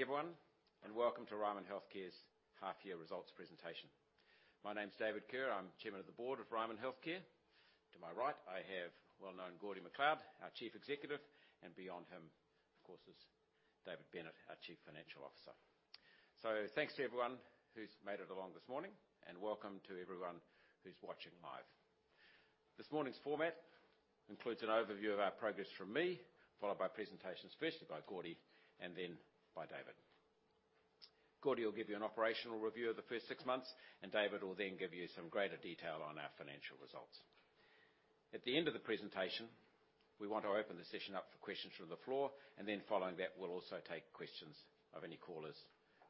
Morning, everyone, welcome to Ryman Healthcare's half year results presentation. My name's David Kerr. I'm Chairman of the Board of Ryman Healthcare. To my right, I have well-known Gordon MacLeod, our Chief Executive, and beyond him, of course, is David Bennett, our Chief Financial Officer. Thanks to everyone who's made it along this morning, and welcome to everyone who's watching live. This morning's format includes an overview of our progress from me, followed by presentations firstly by Gordy, and then by David. Gordy will give you an operational review of the first six months, and David will then give you some greater detail on our financial results. At the end of the presentation, we want to open the session up for questions from the floor, and then following that, we'll also take questions of any callers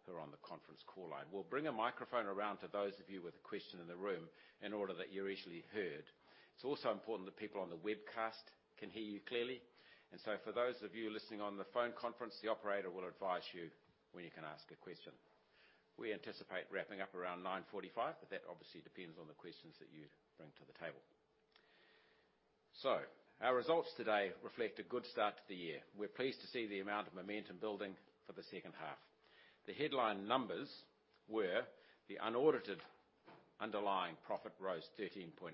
who are on the conference call line. We'll bring a microphone around to those of you with a question in the room, in order that you're easily heard. It's also important that people on the webcast can hear you clearly. For those of you listening on the phone conference, the operator will advise you when you can ask a question. We anticipate wrapping up around 9:45 A.M., but that obviously depends on the questions that you bring to the table. Our results today reflect a good start to the year. We're pleased to see the amount of momentum building for the second half. The headline numbers were the unaudited underlying profit rose 13.9%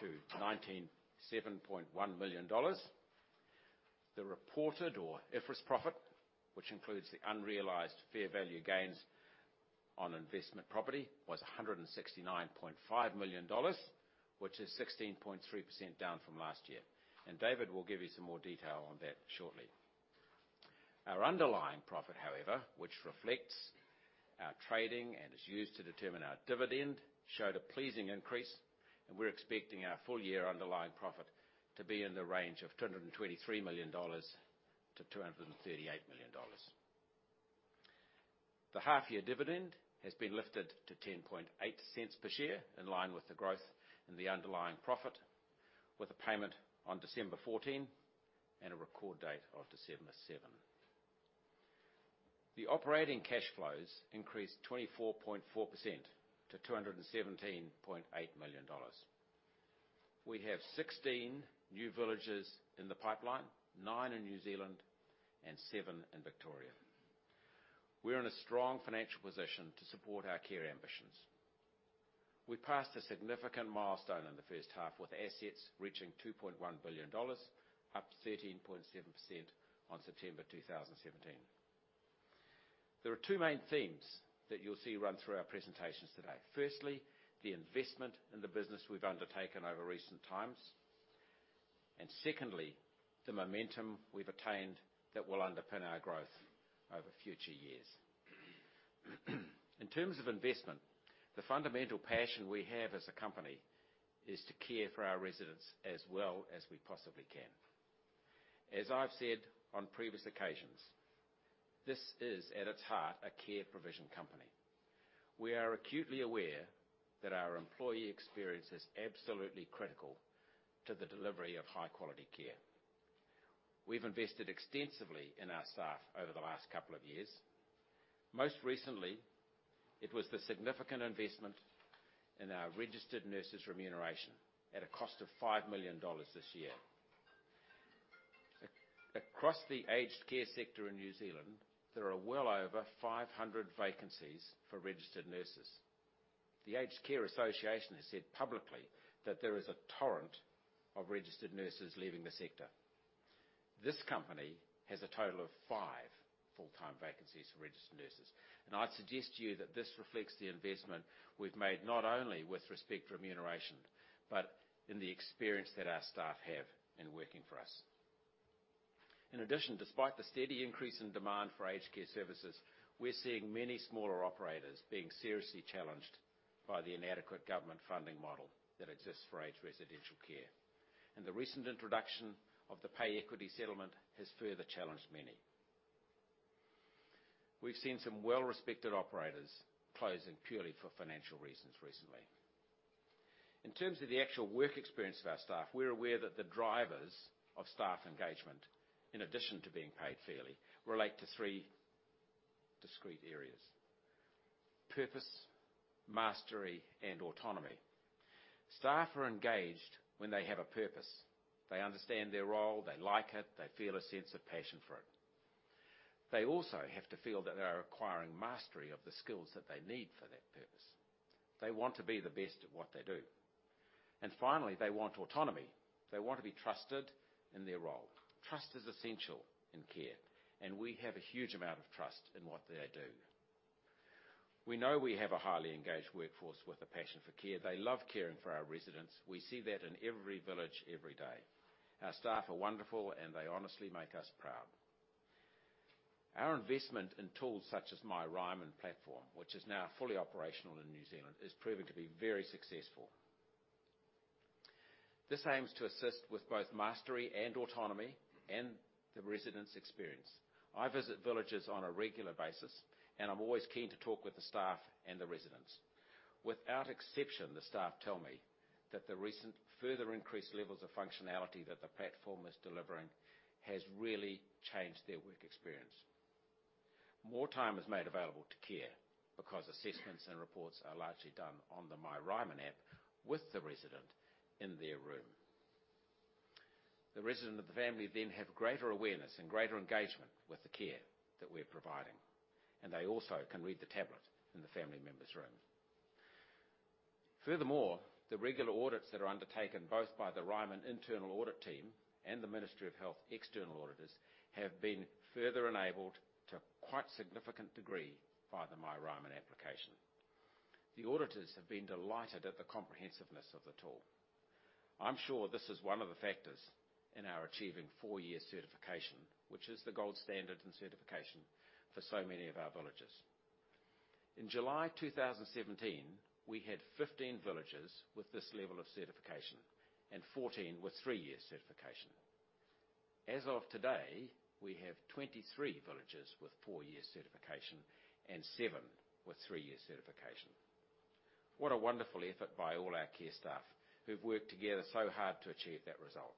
to 197.1 million dollars. The reported or IFRS profit, which includes the unrealized fair value gains on investment property, was 169.5 million dollars, which is 16.3% down from last year. David will give you some more detail on that shortly. Our underlying profit, however, which reflects our trading and is used to determine our dividend, showed a pleasing increase. We're expecting our full-year underlying profit to be in the range of NZD 223 million to NZD 238 million. The half year dividend has been lifted to 0.108 per share, in line with the growth in the underlying profit, with a payment on December 14, and a record date of December 7. The operating cash flows increased 24.4% to 217.8 million dollars. We have 16 new villages in the pipeline, nine in New Zealand, and seven in Victoria. We're in a strong financial position to support our care ambitions. We passed a significant milestone in the first half, with assets reaching 2.1 billion dollars, up 13.7% on September 2017. There are two main themes that you'll see run through our presentations today. Firstly, the investment in the business we've undertaken over recent times, and secondly, the momentum we've attained that will underpin our growth over future years. In terms of investment, the fundamental passion we have as a company is to care for our residents as well as we possibly can. As I've said on previous occasions, this is at its heart, a care provision company. We are acutely aware that our employee experience is absolutely critical to the delivery of high-quality care. We've invested extensively in our staff over the last couple of years. Most recently, it was the significant investment in our registered nurses' remuneration at a cost of 5 million dollars this year. Across the aged care sector in New Zealand, there are well over 500 vacancies for registered nurses. The Aged Care Association has said publicly that there is a torrent of registered nurses leaving the sector. This company has a total of five full-time vacancies for registered nurses. I suggest to you that this reflects the investment we've made, not only with respect to remuneration, but in the experience that our staff have in working for us. In addition, despite the steady increase in demand for aged care services, we're seeing many smaller operators being seriously challenged by the inadequate government funding model that exists for aged residential care. The recent introduction of the Pay Equity Settlement has further challenged many. We've seen some well-respected operators closing purely for financial reasons recently. In terms of the actual work experience of our staff, we're aware that the drivers of staff engagement, in addition to being paid fairly, relate to three discrete areas: purpose, mastery, and autonomy. Staff are engaged when they have a purpose. They understand their role, they like it, they feel a sense of passion for it. They also have to feel that they are acquiring mastery of the skills that they need for that purpose. They want to be the best at what they do. Finally, they want autonomy. They want to be trusted in their role. Trust is essential in care, and we have a huge amount of trust in what they do. We know we have a highly engaged workforce with a passion for care. They love caring for our residents. We see that in every village, every day. Our staff are wonderful, and they honestly make us proud. Our investment in tools such as My Ryman platform, which is now fully operational in New Zealand, is proving to be very successful. This aims to assist with both mastery and autonomy and the residents' experience. I visit villages on a regular basis, and I'm always keen to talk with the staff and the residents. Without exception, the staff tell me that the recent further increased levels of functionality that the platform is delivering has really changed their work experience. More time is made available to care because assessments and reports are largely done on the My Ryman app with the resident in their room. The resident of the family then have greater awareness and greater engagement with the care that we're providing, and they also can read the tablet in the family member's room. Furthermore, the regular audits that are undertaken both by the Ryman internal audit team and the Ministry of Health external auditors have been further enabled to a quite significant degree by the My Ryman application. The auditors have been delighted at the comprehensiveness of the tool. I'm sure this is one of the factors in our achieving four-year certification, which is the gold standard in certification for so many of our villages. In July 2017, we had 15 villages with this level of certification and 14 with three-year certification. As of today, we have 23 villages with four-year certification and seven with three-year certification. What a wonderful effort by all our care staff who've worked together so hard to achieve that result.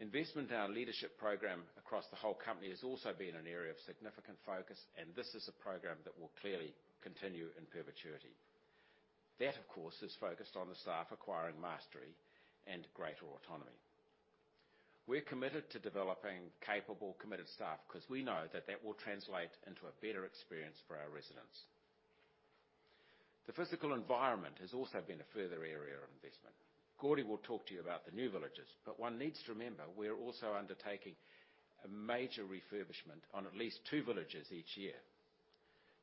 Investment in our leadership program across the whole company has also been an area of significant focus, and this is a program that will clearly continue in perpetuity. That, of course, is focused on the staff acquiring mastery and greater autonomy. We're committed to developing capable, committed staff because we know that that will translate into a better experience for our residents. The physical environment has also been a further area of investment. Gordy will talk to you about the new villages, one needs to remember, we are also undertaking a major refurbishment on at least two villages each year.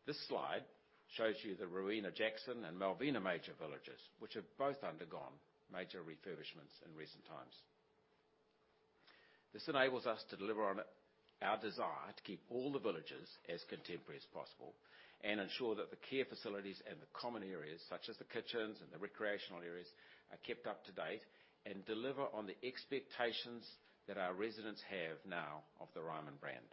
This slide shows you the Rowena Jackson and Malvina Major villages, which have both undergone major refurbishments in recent times. This enables us to deliver on our desire to keep all the villages as contemporary as possible and ensure that the care facilities and the common areas such as the kitchens and the recreational areas are kept up to date and deliver on the expectations that our residents have now of the Ryman brand.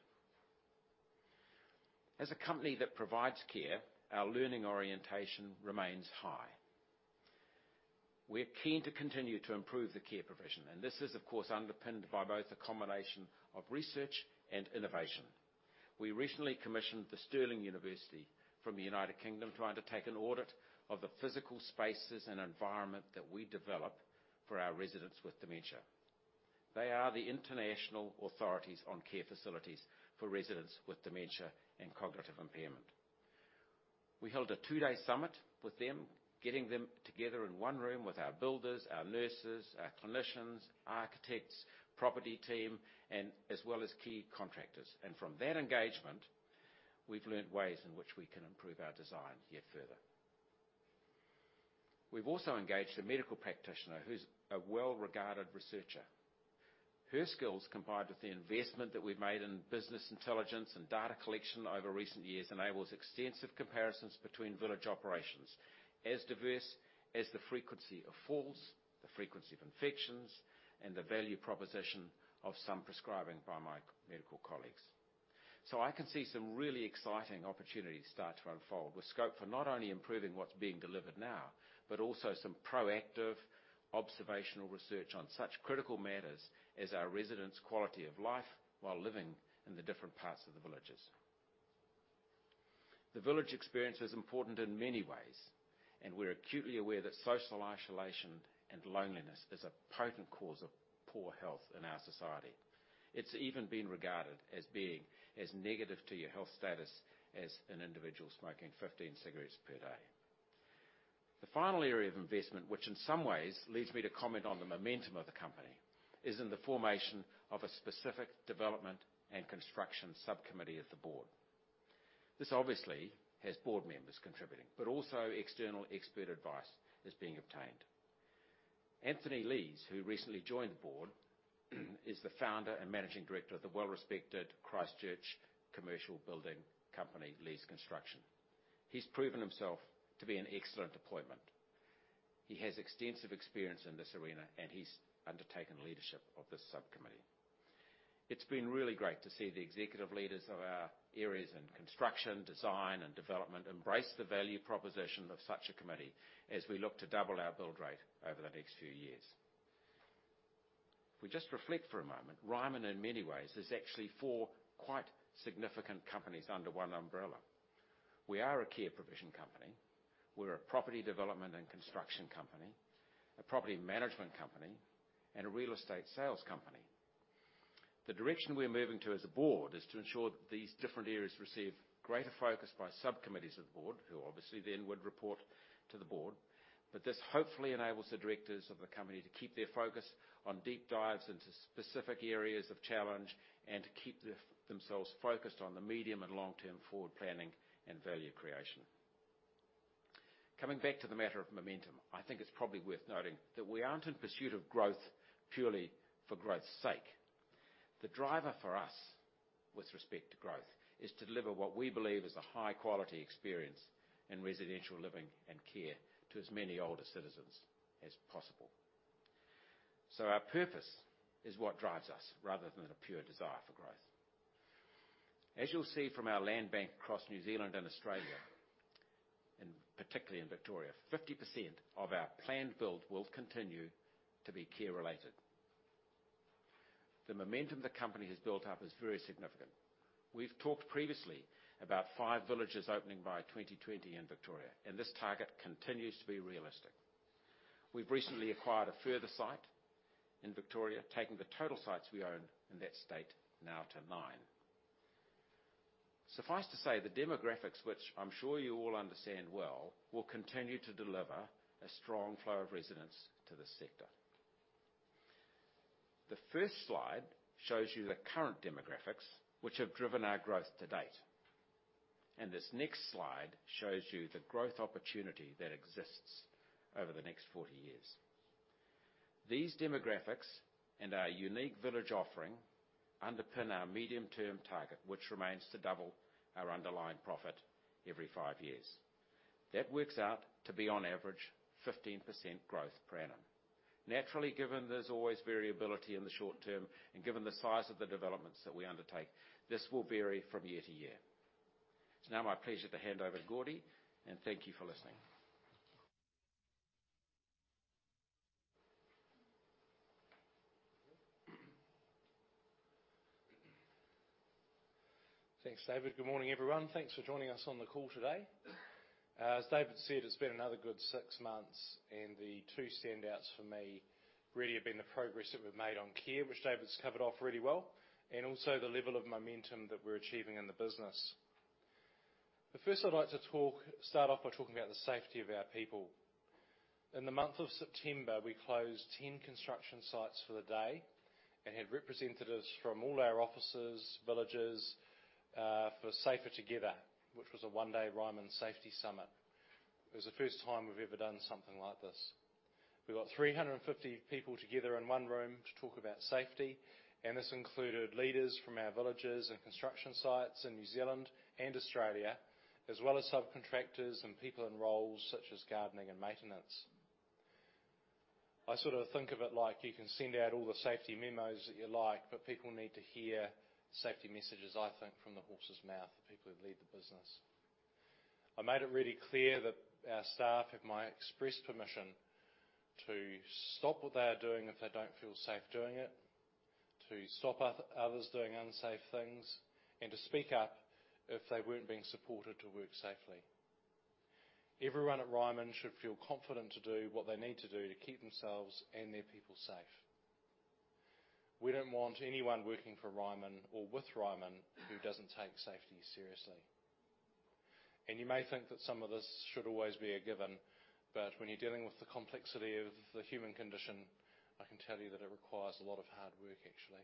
As a company that provides care, our learning orientation remains high. We're keen to continue to improve the care provision, this is, of course, underpinned by both a combination of research and innovation. We recently commissioned the University of Stirling from the U.K. to undertake an audit of the physical spaces and environment that we develop for our residents with dementia. They are the international authorities on care facilities for residents with dementia and cognitive impairment. We held a two-day summit with them, getting them together in one room with our builders, our nurses, our clinicians, architects, property team, and as well as key contractors. From that engagement, we've learned ways in which we can improve our design yet further. We've also engaged a medical practitioner who's a well-regarded researcher. Her skills, combined with the investment that we've made in business intelligence and data collection over recent years, enables extensive comparisons between village operations as diverse as the frequency of falls, the frequency of infections, and the value proposition of some prescribing by my medical colleagues. I can see some really exciting opportunities start to unfold with scope for not only improving what's being delivered now but also some proactive observational research on such critical matters as our residents' quality of life while living in the different parts of the villages. The village experience is important in many ways, and we're acutely aware that social isolation and loneliness is a potent cause of poor health in our society. It's even been regarded as being as negative to your health status as an individual smoking 15 cigarettes per day. The final area of investment, which in some ways leads me to comment on the momentum of the company, is in the formation of a specific development and construction subcommittee of the board. This obviously has board members contributing, but also external expert advice is being obtained. Anthony Leighs, who recently joined the board, is the founder and managing director of the well-respected Christchurch commercial building company, Leighs Construction. He's proven himself to be an excellent appointment. He has extensive experience in this arena, and he's undertaken leadership of this subcommittee. It's been really great to see the executive leaders of our areas in construction, design, and development embrace the value proposition of such a committee as we look to double our build rate over the next few years. If we just reflect for a moment, Ryman, in many ways, is actually four quite significant companies under one umbrella. We are a care provision company. We're a property development and construction company, a property management company, and a real estate sales company. The direction we're moving to as a board is to ensure that these different areas receive greater focus by subcommittees of the board, who obviously then would report to the board. This hopefully enables the directors of the company to keep their focus on deep dives into specific areas of challenge and to keep themselves focused on the medium and long-term forward planning and value creation. Coming back to the matter of momentum, I think it's probably worth noting that we aren't in pursuit of growth purely for growth's sake. The driver for us with respect to growth is to deliver what we believe is a high-quality experience in residential living and care to as many older citizens as possible. Our purpose is what drives us rather than a pure desire for growth. As you'll see from our land bank across New Zealand and Australia, and particularly in Victoria, 50% of our planned build will continue to be care related. The momentum the company has built up is very significant. We've talked previously about five villages opening by 2020 in Victoria, and this target continues to be realistic. We've recently acquired a further site in Victoria, taking the total sites we own in that state now to nine. Suffice to say, the demographics, which I'm sure you all understand well, will continue to deliver a strong flow of residents to this sector. The first slide shows you the current demographics, which have driven our growth to date. This next slide shows you the growth opportunity that exists over the next 40 years. These demographics and our unique village offering underpin our medium-term target, which remains to double our underlying profit every five years. That works out to be on average 15% growth per annum. Naturally, given there's always variability in the short term and given the size of the developments that we undertake, this will vary from year to year. It's now my pleasure to hand over to Gordy, and thank you for listening. Thanks, David. Good morning, everyone. Thanks for joining us on the call today. As David said, it's been another good six months. The two standouts for me really have been the progress that we've made on care, which David's covered off really well, and also the level of momentum that we're achieving in the business. First, I'd like to start off by talking about the safety of our people. In the month of September, we closed 10 construction sites for the day and had representatives from all our offices, villages, for Safer Together, which was a one-day Ryman safety summit. It was the first time we've ever done something like this. We got 350 people together in one room to talk about safety. This included leaders from our villages and construction sites in New Zealand and Australia, as well as subcontractors and people in roles such as gardening and maintenance. I sort of think of it like you can send out all the safety memos that you like. People need to hear safety messages, I think, from the horse's mouth, the people who lead the business. I made it really clear that our staff have my express permission to stop what they are doing if they don't feel safe doing it, to stop others doing unsafe things, and to speak up if they weren't being supported to work safely. Everyone at Ryman should feel confident to do what they need to do to keep themselves and their people safe. We don't want anyone working for Ryman or with Ryman who doesn't take safety seriously. You may think that some of this should always be a given, but when you're dealing with the complexity of the human condition, I can tell you that it requires a lot of hard work actually.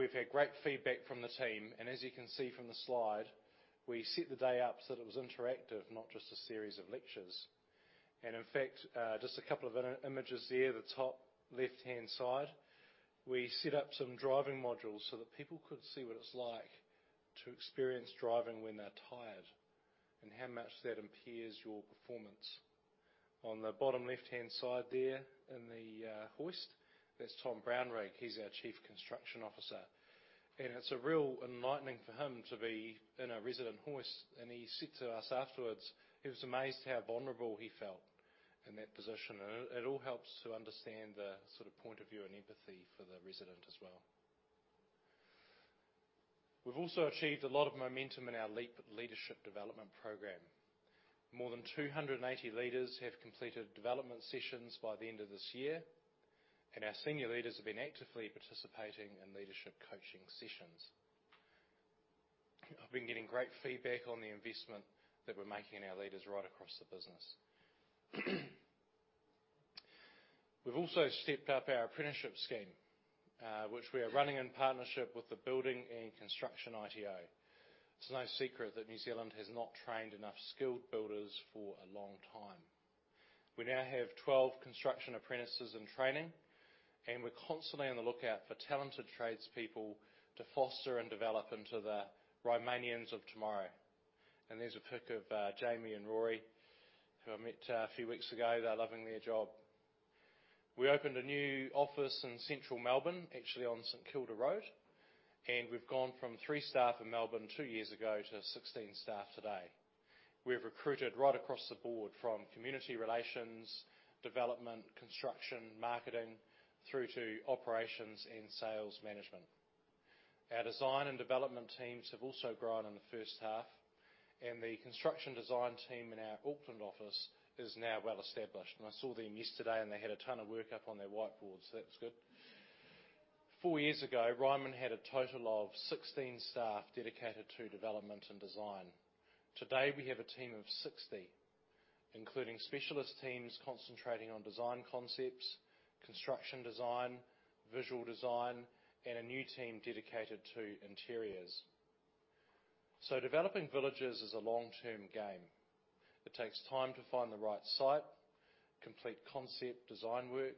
We've had great feedback from the team, as you can see from the slide, we set the day up so that it was interactive, not just a series of lectures. In fact, just a couple of images there, the top left-hand side, we set up some driving modules so that people could see what it's like to experience driving when they're tired and how much that impairs your performance. On the bottom left-hand side there in the hoist, that's Tom Brownrigg, he's our Chief Construction Officer. It's a real enlightening for him to be in a resident hoist. He said to us afterwards he was amazed how vulnerable he felt in that position. It all helps to understand the sort of point of view and empathy for the resident as well. We've also achieved a lot of momentum in our leadership development program. More than 280 leaders have completed development sessions by the end of this year, and our senior leaders have been actively participating in leadership coaching sessions. I've been getting great feedback on the investment that we're making in our leaders right across the business. We've also stepped up our apprenticeship scheme, which we are running in partnership with the Building and Construction ITO. It's no secret that New Zealand has not trained enough skilled builders for a long time. We now have 12 construction apprentices in training, and we're constantly on the lookout for talented tradespeople to foster and develop into the Rymanians of tomorrow. There's a pic of Jamie and Rory, who I met a few weeks ago. They're loving their job. We opened a new office in Central Melbourne, actually on St. Kilda Road, and we've gone from three staff in Melbourne two years ago to 16 staff today. We have recruited right across the board from community relations, development, construction, marketing, through to operations and sales management. Our design and development teams have also grown in the first half, and the construction design team in our Auckland office is now well established. I saw them yesterday, and they had a ton of work up on their whiteboard, so that's good. Four years ago, Ryman had a total of 16 staff dedicated to development and design. Today, we have a team of 60, including specialist teams concentrating on design concepts, construction design, visual design, and a new team dedicated to interiors. Developing villages is a long-term game. It takes time to find the right site, complete concept design work,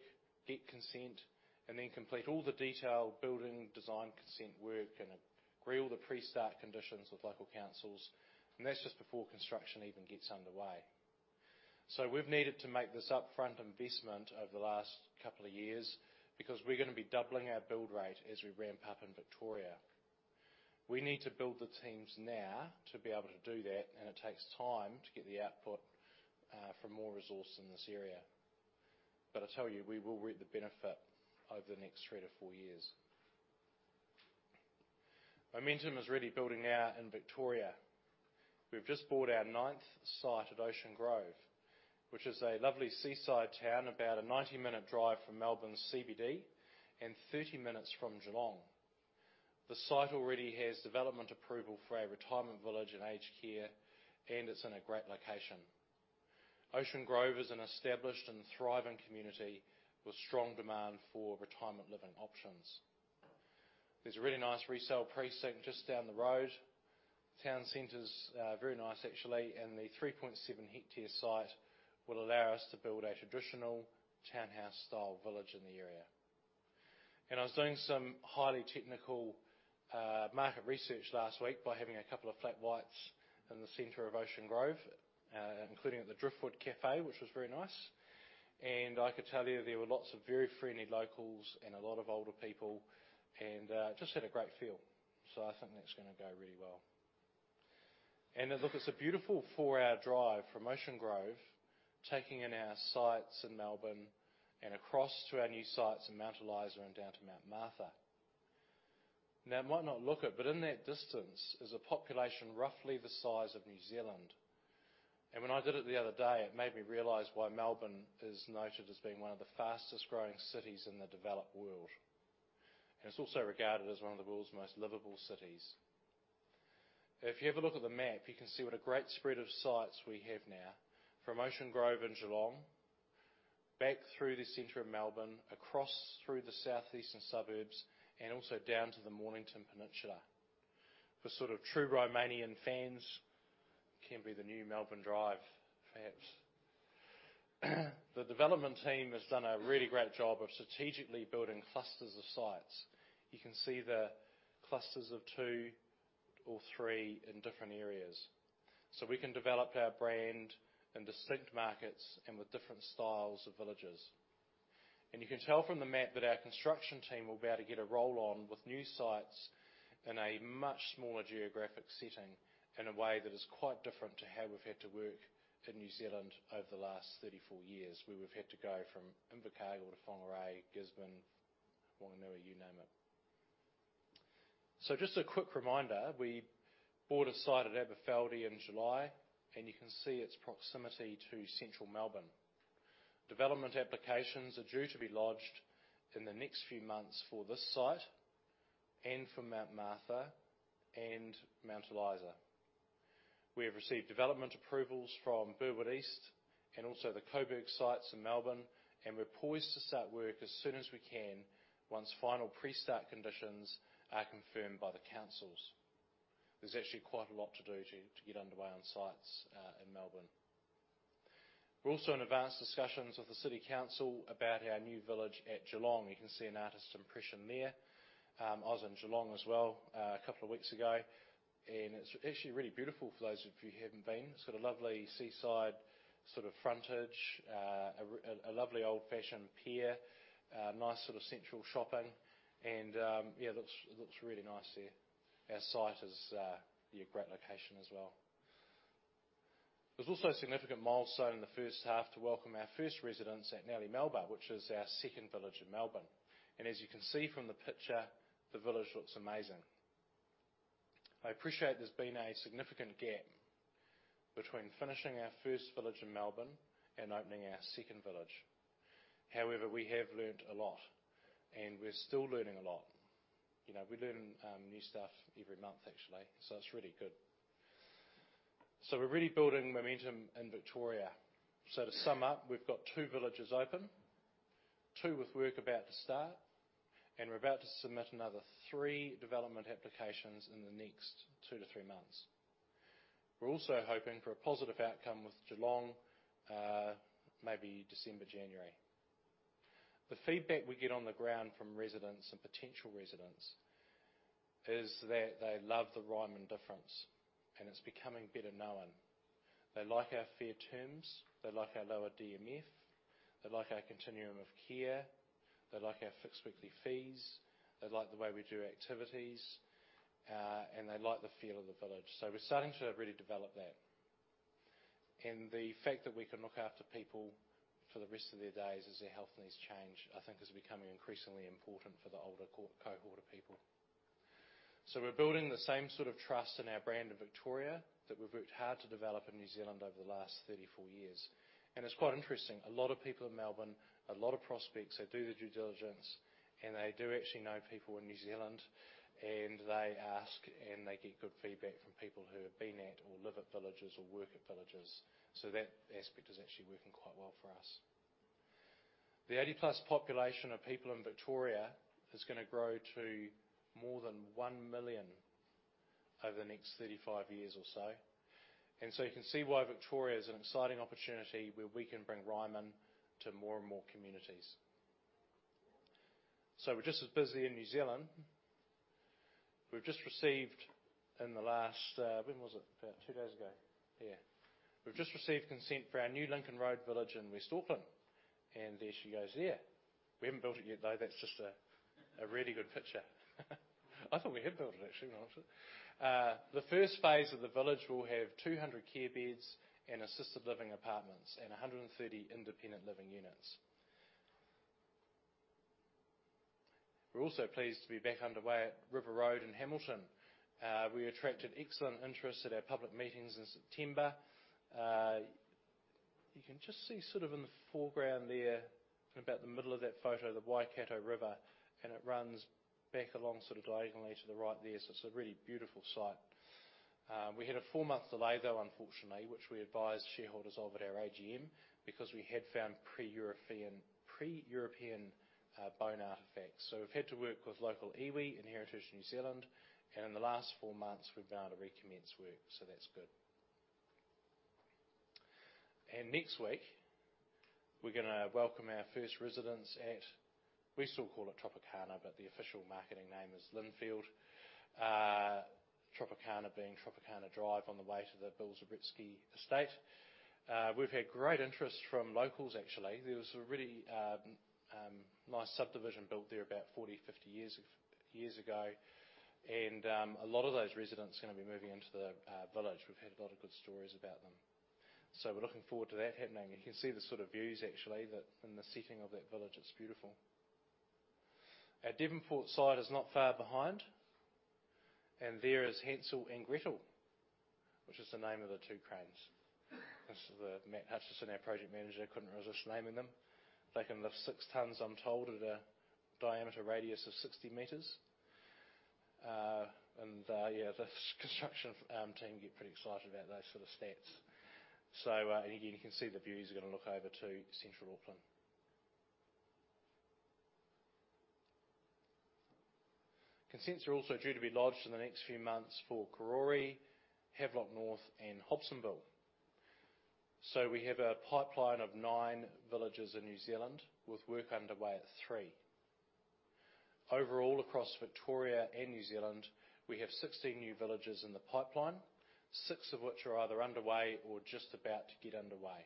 get consent, and then complete all the detail building design consent work and agree all the pre-start conditions with local councils, and that's just before construction even gets underway. We've needed to make this upfront investment over the last couple of years because we're going to be doubling our build rate as we ramp up in Victoria. We need to build the teams now to be able to do that, and it takes time to get the output from more resource in this area. I tell you, we will reap the benefit over the next three to four years. Momentum is really building out in Victoria. We've just bought our ninth site at Ocean Grove, which is a lovely seaside town about a 90-minute drive from Melbourne CBD and 30 minutes from Geelong. The site already has development approval for a retirement village and aged care, and it's in a great location. Ocean Grove is an established and thriving community with strong demand for retirement living options. There's a really nice resale precinct just down the road. Town center's very nice actually. The 3.7 hectare site will allow us to build a traditional townhouse style village in the area. I was doing some highly technical market research last week by having a couple of flat whites in the center of Ocean Grove, including at the Driftwood Cafe, which was very nice. I can tell you there were lots of very friendly locals and a lot of older people and just had a great feel. I think that's going to go really well. Look, it's a beautiful four-hour drive from Ocean Grove, taking in our sites in Melbourne and across to our new sites in Mount Eliza and down to Mount Martha. Now, it might not look it, but in that distance is a population roughly the size of New Zealand. When I did it the other day, it made me realize why Melbourne is noted as being one of the fastest growing cities in the developed world. It's also regarded as one of the world's most livable cities. If you have a look at the map, you can see what a great spread of sites we have now. From Ocean Grove in Geelong, back through the center of Melbourne, across through the southeastern suburbs, and also down to the Mornington Peninsula. For sort of true Ryman fans, can be the new Melbourne drive perhaps. The development team has done a really great job of strategically building clusters of sites. You can see the clusters of two or three in different areas. We can develop our brand in distinct markets and with different styles of villages. You can tell from the map that our construction team will be able to get a roll on with new sites in a much smaller geographic setting in a way that is quite different to how we've had to work in New Zealand over the last 34 years, where we've had to go from Invercargill to Whangarei, Gisborne, Waitangi, you name it. Just a quick reminder, we bought a site at Aberfeldie in July, and you can see its proximity to central Melbourne. Development applications are due to be lodged in the next few months for this site and for Mount Martha and Mount Eliza. We have received development approvals from Burwood East and also the Coburg sites in Melbourne, and we're poised to start work as soon as we can once final pre-start conditions are confirmed by the councils. There's actually quite a lot to do to get underway on sites in Melbourne. We're also in advanced discussions with the city council about our new village at Geelong. You can see an artist's impression there. I was in Geelong as well a couple of weeks ago, and it's actually really beautiful for those of you who haven't been. Sort of lovely seaside sort of frontage, a lovely old fashioned pier, nice sort of central shopping, and, yeah, it looks really nice there. Our site is a great location as well. There's also a significant milestone in the first half to welcome our first residents at Nellie Melba, which is our second village in Melbourne. As you can see from the picture, the village looks amazing. I appreciate there's been a significant gap between finishing our first village in Melbourne and opening our second village. We have learned a lot, and we're still learning a lot. We're learning new stuff every month, actually, it's really good. We're really building momentum in Victoria. To sum up, we've got two villages open, two with work about to start, and we're about to submit another three development applications in the next two to three months. We're also hoping for a positive outcome with Geelong, maybe December, January. The feedback we get on the ground from residents and potential residents is that they love the Ryman difference, and it's becoming better known. They like our fair terms, they like our lower DMF, they like our continuum of care, they like our fixed weekly fees, they like the way we do activities, and they like the feel of the village. We're starting to really develop that. The fact that we can look after people for the rest of their days as their health needs change, I think is becoming increasingly important for the older cohort of people. We're building the same sort of trust in our brand in Victoria that we've worked hard to develop in New Zealand over the last 34 years. It's quite interesting. A lot of people in Melbourne, a lot of prospects, they do their due diligence, and they do actually know people in New Zealand, and they ask, and they get good feedback from people who have been at or live at villages or work at villages. That aspect is actually working quite well for us. The 80+ population of people in Victoria is going to grow to more than one million over the next 35 years or so. You can see why Victoria is an exciting opportunity where we can bring Ryman to more and more communities. We're just as busy in New Zealand. We've just received in the last, when was it? Two days ago. We've just received consent for our new Lincoln Road village in West Auckland. There she goes there. We haven't built it yet though. That's just a really good picture. I thought we had built it actually. The first phase of the village will have 200 care beds and assisted living apartments and 130 independent living units. We're also pleased to be back underway at River Road in Hamilton. We attracted excellent interest at our public meetings in September. You can just see sort of in the foreground there, in about the middle of that photo, the Waikato River, and it runs back along sort of diagonally to the right there. It's a really beautiful site. We had a four-month delay, though, unfortunately, which we advised shareholders of at our AGM because we had found pre-European bone artifacts. We've had to work with local iwi and Heritage New Zealand, and in the last four months, we've now to recommence work. That's good. Next week, we're going to welcome our first residents at, we still call it Tropicana, but the official marketing name is Lynfield. Tropicana being Tropicana Drive on the way to the Bill Subritzky estate. We've had great interest from locals actually. There was a really nice subdivision built there about 40, 50 years ago. A lot of those residents are going to be moving into the village. We've heard a lot of good stories about them. We're looking forward to that happening. You can see the sort of views actually that in the setting of that village, it's beautiful. Our Devonport site is not far behind, and there is Hansel and Gretel, which is the name of the two cranes. Matt Hutchinson, our project manager, couldn't resist naming them. They can lift six tons, I'm told, at a diameter radius of 60 meters. Yeah, the construction team get pretty excited about those sort of stats. You can see the views are going to look over to Central Auckland. Consents are also due to be lodged in the next few months for Karori, Havelock North and Hobsonville. We have a pipeline of nine \villages in New Zealand with work underway at three. Overall, across Victoria and New Zealand, we have 16 new villages in the pipeline, six of which are either underway or just about to get underway.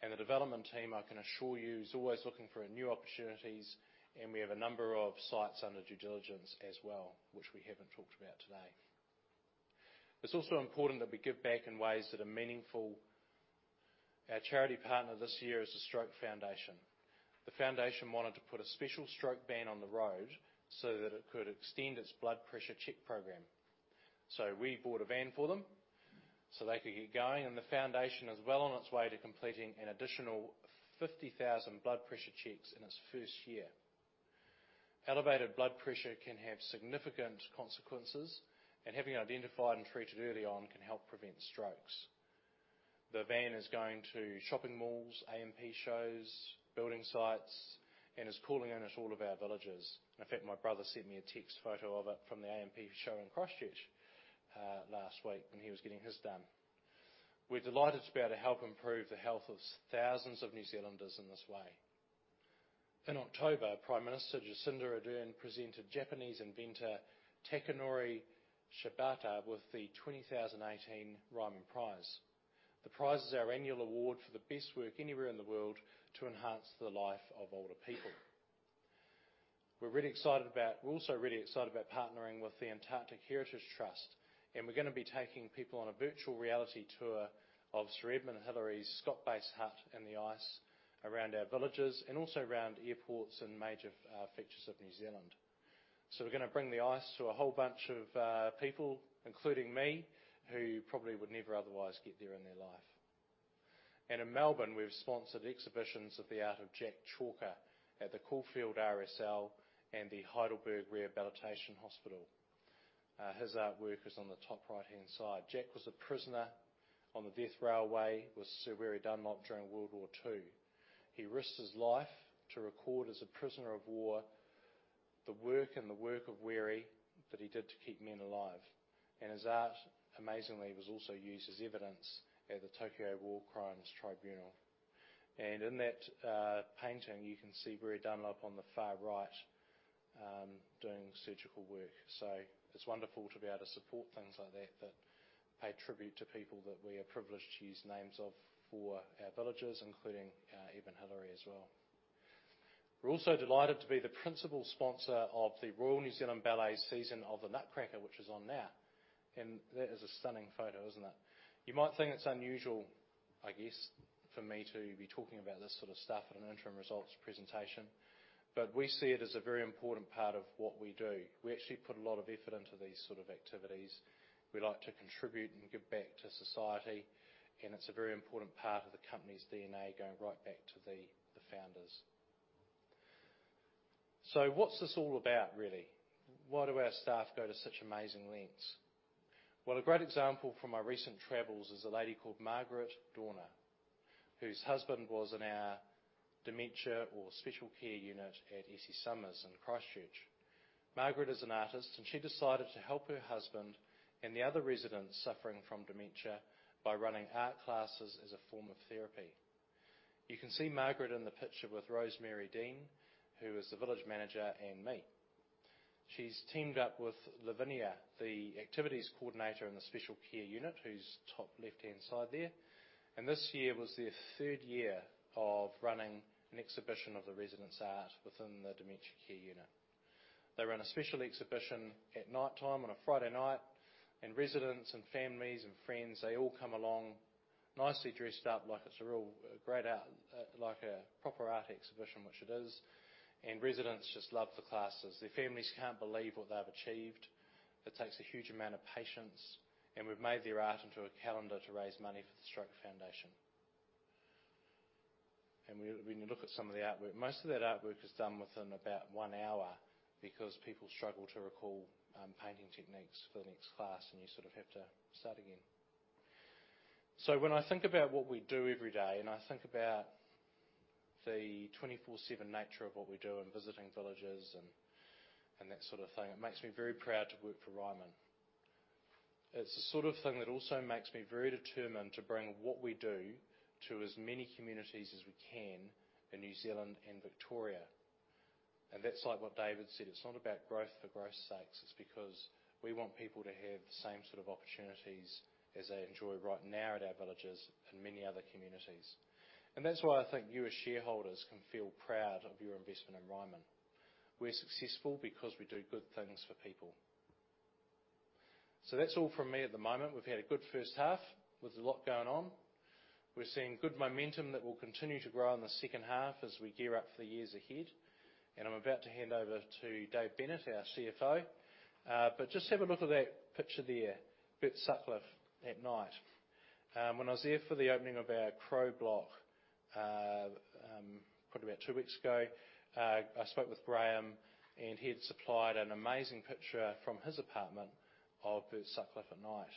The development team, I can assure you, is always looking for new opportunities, and we have a number of sites under due diligence as well, which we haven't talked about today. It's also important that we give back in ways that are meaningful. Our charity partner this year is the Stroke Foundation of New Zealand. The Foundation wanted to put a special stroke van on the road so that it could extend its blood pressure check program. We bought a van for them so they could get going, and the Foundation is well on its way to completing an additional 50,000 blood pressure checks in its first year. Elevated blood pressure can have significant consequences, and having it identified and treated early on can help prevent strokes. The van is going to shopping malls, A&P Shows, building sites, and is calling on all of our villages. In fact, my brother sent me a text photo of it from the A&P Show in Christchurch last week when he was getting his done. We're delighted to be able to help improve the health of thousands of New Zealanders in this way. In October, Prime Minister Jacinda Ardern presented Japanese inventor Takanori Shibata with the 2018 Ryman Prize. The prize is our annual award for the best work anywhere in the world to enhance the life of older people. We're also really excited about partnering with the Antarctic Heritage Trust, and we're going to be taking people on a virtual reality tour of Sir Edmund Hillary's Scott Base Hut in the ice around our villages and also around airports and major features of New Zealand. We're going to bring the ice to a whole bunch of people, including me, who probably would never otherwise get there in their life. In Melbourne, we've sponsored exhibitions of the art of Jack Chalker at the Caulfield RSL and the Heidelberg Rehabilitation Hospital. His artwork is on the top right-hand side. Jack was a prisoner on the Death Railway with Sir Weary Dunlop during World War II. He risked his life to record as a prisoner of war, the work and the work of Weary that he did to keep men alive. His art, amazingly, was also used as evidence at the Tokyo War Crimes Tribunal. In that painting, you can see Weary Dunlop on the far right doing surgical work. It's wonderful to be able to support things like that pay tribute to people that we are privileged to use names of for our villages, including Sir Edmund Hillary as well. We're also delighted to be the principal sponsor of the Royal New Zealand Ballet season of "The Nutcracker," which is on now. That is a stunning photo, isn't it? You might think it's unusual, I guess, for me to be talking about this sort of stuff at an interim results presentation, but we see it as a very important part of what we do. We actually put a lot of effort into these sort of activities. We like to contribute and give back to society, and it's a very important part of the company's DNA going right back to the founders. What's this all about really? Why do our staff go to such amazing lengths? Well, a great example from my recent travels is a lady called Margaret Dorner, whose husband was in our dementia or special care unit at Essie Summers in Christchurch. Margaret is an artist, and she decided to help her husband and the other residents suffering from dementia by running art classes as a form of therapy. You can see Margaret in the picture with Rosemary Deane, who is the village manager, and me. She's teamed up with Lavinia, the activities coordinator in the special care unit, who's top left-hand side there. This year was their third year of running an exhibition of the residents' art within the dementia care unit. They run a special exhibition at nighttime on a Friday night, residents and families and friends, they all come along nicely dressed up like a proper art exhibition, which it is, residents just love the classes. Their families can't believe what they've achieved. It takes a huge amount of patience, we've made their art into a calendar to raise money for the Stroke Foundation. When you look at some of the artwork, most of that artwork is done within about one hour because people struggle to recall painting techniques for the next class, and you sort of have to start again. When I think about what we do every day, and I think about the 24/7 nature of what we do in visiting villages and that sort of thing, it makes me very proud to work for Ryman. It's the sort of thing that also makes me very determined to bring what we do to as many communities as we can in New Zealand and Victoria. That's like what David said. It's not about growth for growth's sake. It's because we want people to have the same sort of opportunities as they enjoy right now at our villages and many other communities. That's why I think you, as shareholders, can feel proud of your investment in Ryman. We're successful because we do good things for people. That's all from me at the moment. We've had a good first half with a lot going on. We're seeing good momentum that will continue to grow in the second half as we gear up for the years ahead. I'm about to hand over to David Bennett, our CFO. Just have a look at that picture there, Bert Sutcliffe at night. When I was there for the opening of our Crowe block, probably about two weeks ago, I spoke with Graham, and he had supplied an amazing picture from his apartment of Bert Sutcliffe at night.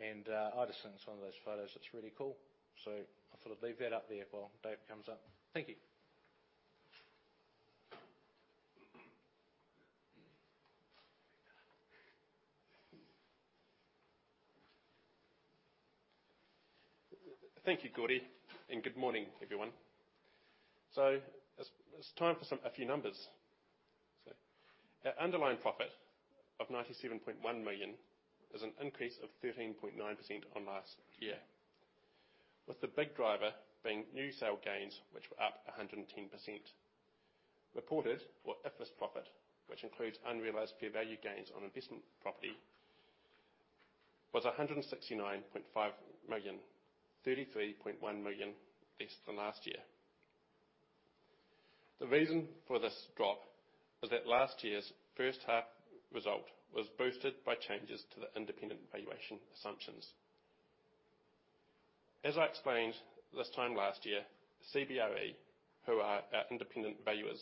I just think it's one of those photos that's really cool. I thought I'd leave that up there while Dave comes up. Thank you. Thank you, Gordy, and good morning, everyone. It's time for a few numbers. Our underlying profit of 97.1 million is an increase of 13.9% on last year, with the big driver being new sale gains, which were up 110%. Reported or IFRS profit, which includes unrealized fair value gains on investment property, was 169.5 million, 33.1 million less than last year. The reason for this drop was that last year's first half result was boosted by changes to the independent valuation assumptions. As I explained this time last year, CBRE, who are our independent valuers,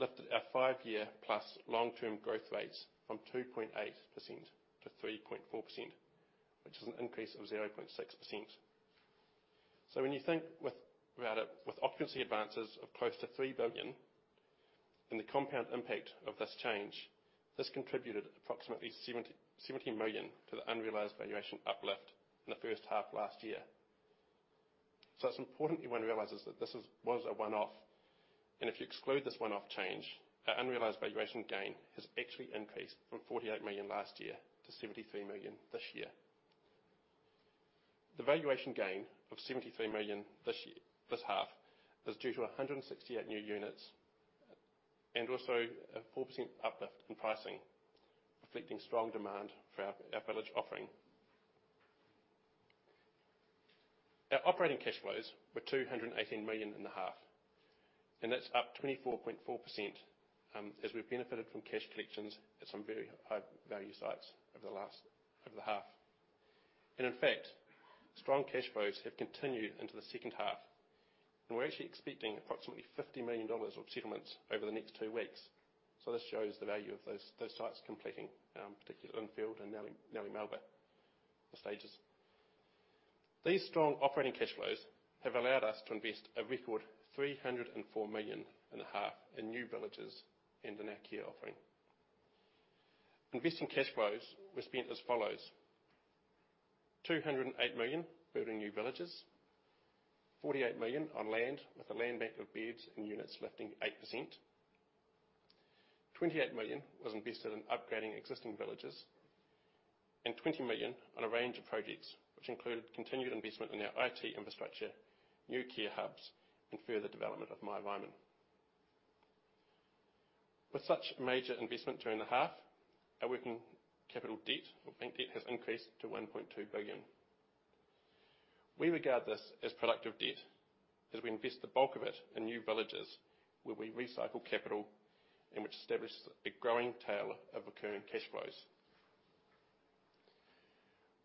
lifted our five-year-plus long-term growth rates from 2.8% to 3.4%, which is an increase of 0.6%. When you think about it, with occupancy advances of close to 3 billion and the compound impact of this change, this contributed approximately 70 million to the unrealized valuation uplift in the first half last year. It's important everyone realizes that this was a one-off, and if you exclude this one-off change, our unrealized valuation gain has actually increased from 48 million last year to 73 million this year. The valuation gain of 73 million this half is due to 168 new units and also a 4% uplift in pricing, reflecting strong demand for our village offering. Our operating cash flows were 218 million in the half, and that's up 24.4% as we benefited from cash collections at some very high-value sites over the half. In fact, strong cash flows have continued into the second half. We're actually expecting approximately 50 million dollars of settlements over the next two weeks. This shows the value of those sites completing, particularly Lynfield and Nellie Melba stages. These strong operating cash flows have allowed us to invest a record 304 million in the half in new villages and in our care offering. Investment cash flows were spent as follows: 208 million building new villages, 48 million on land with a land bank of beds and units lifting 8%, 28 million was invested in upgrading existing villages, and 20 million on a range of projects, which include continued investment in our IT infrastructure, new care hubs, and further development of My Ryman. With such major investment during the half, our working capital debt has increased to 1.2 billion. We regard this as productive debt as we invest the bulk of it in new villages where we recycle capital and which establishes a growing tail of recurring cash flows.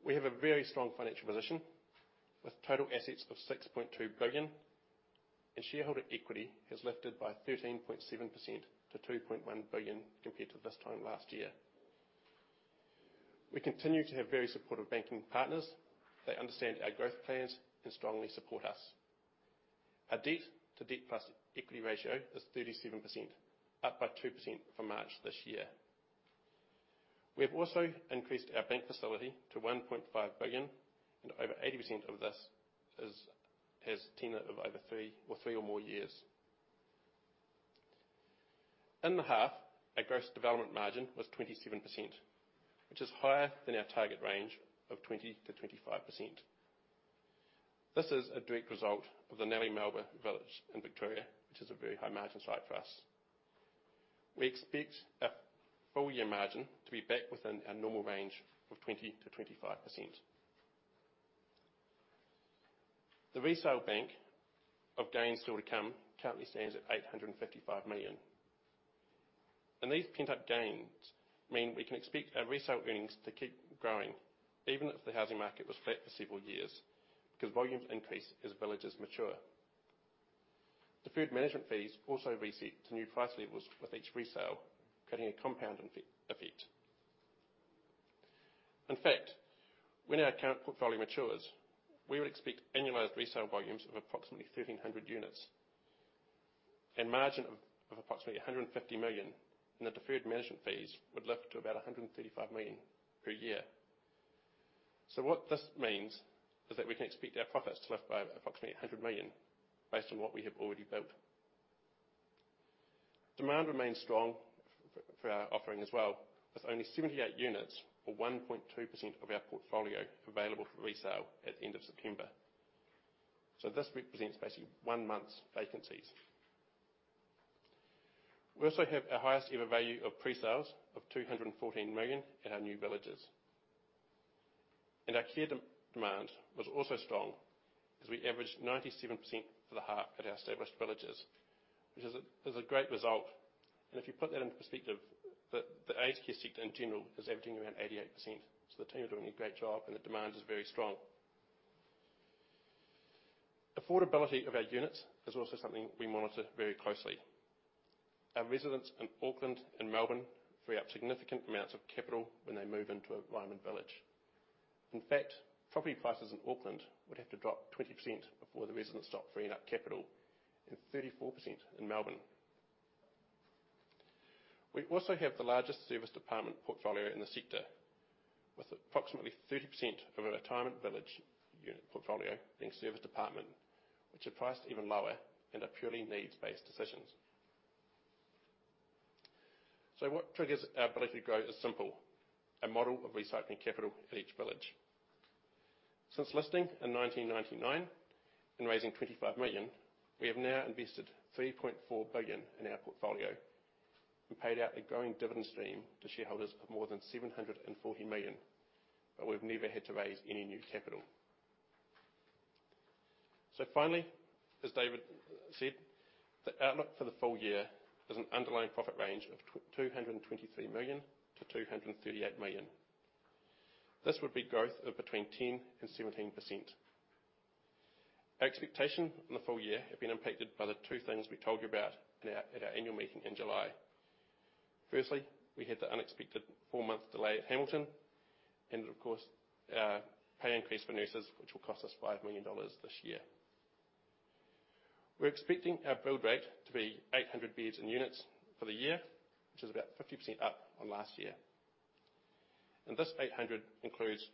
We have a very strong financial position with total assets of 6.2 billion, and shareholder equity has lifted by 13.7% to 2.1 billion compared to this time last year. We continue to have very supportive banking partners. They understand our growth plans and strongly support us. Our debt-to-debt-plus-equity ratio is 37%, up by 2% from March this year. We've also increased our bank facility to 1.5 billion, and over 80% of this has tenure of over three or more years. In the half, our gross development margin was 27%, which is higher than our target range of 20%-25%. This is a direct result of the new Melbourne village in Victoria, which is a very high margin site for us. We expect our full-year margin to be back within our normal range of 20%-25%. The resale bank of gains still to come currently stands at 855 million. These pent-up gains mean we can expect our resale earnings to keep growing even if the housing market was flat for several years because volumes increase as villages mature. The deferred management fees also reset to new price levels with each resale, creating a compound effect. In fact, when our current portfolio matures, we would expect annualized resale volumes of approximately 1,300 units and margin of approximately 150 million, and the deferred management fees would lift to about 135 million per year. What this means is that we can expect our profits to lift by approximately 100 million based on what we have already built. Demand remains strong for our offering as well, with only 78 units or 1.2% of our portfolio available for resale at the end of September. This represents basically one month's vacancies. We also have our highest ever value of pre-sales of 214 million at our new villages. Our care demand was also strong because we averaged 97% for the half at our established villages, which is a great result. If you put that in perspective, the aged care sector in general is averaging around 88%. The team are doing a great job, and the demand is very strong. Affordability of our units is also something we monitor very closely. Our residents in Auckland and Melbourne free up significant amounts of capital when they move into a Ryman village. In fact, property prices in Auckland would have to drop 20% before the residents stop freeing up capital, and 34% in Melbourne. We also have the largest serviced apartment portfolio in the sector, with approximately 30% of our retirement village unit portfolio being serviced apartment, which are priced even lower and are purely needs-based decisions. What triggers our ability to grow is simple, a model of recycling capital for each village. Since listing in 1999 and raising 25 million, we have now invested 3.4 billion in our portfolio and paid out a growing dividend stream to shareholders of more than 740 million, we've never had to raise any new capital. Finally, as David said, the outlook for the full year is an underlying profit range of 223 million to 238 million. This would be growth of between 10% and 17%. Our expectation for the full year has been impacted by the two things we told you about at our annual meeting in July. Firstly, we had the unexpected four-month delay at Hamilton and of course, our pay increase for nurses, which will cost us 5 million dollars this year. We're expecting our build rate to be 800 beds and units for the year, which is about 50% up on last year. This 800 includes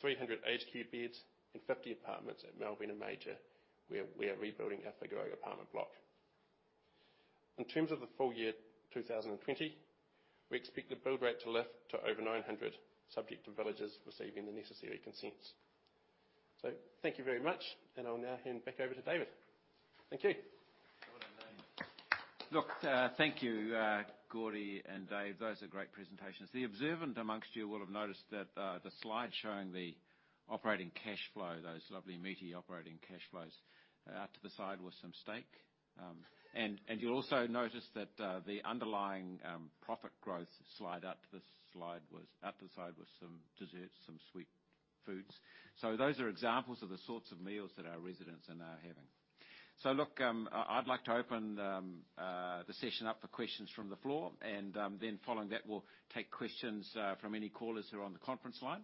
300 aged care beds and 50 apartments at Nellie Melba, where we are rebuilding our figure apartment block. In terms of the full year 2020, we expect the build rate to lift to over 900 subject to villages receiving the necessary consents. Thank you very much, and I'll now hand back over to David. Thank you. Look, thank you, Gordon MacLeod and David Bennett. Those are great presentations. The observant amongst you will have noticed that the slide showing the operating cash flow, those lovely meaty operating cash flows out to the side was some steak. You'll also notice that the underlying profit growth slide up the side was some desserts, some sweet foods. Those are examples of the sorts of meals that our residents are now having. Look, I'd like to open the session up for questions from the floor, and then following that, we'll take questions from any callers who are on the conference line.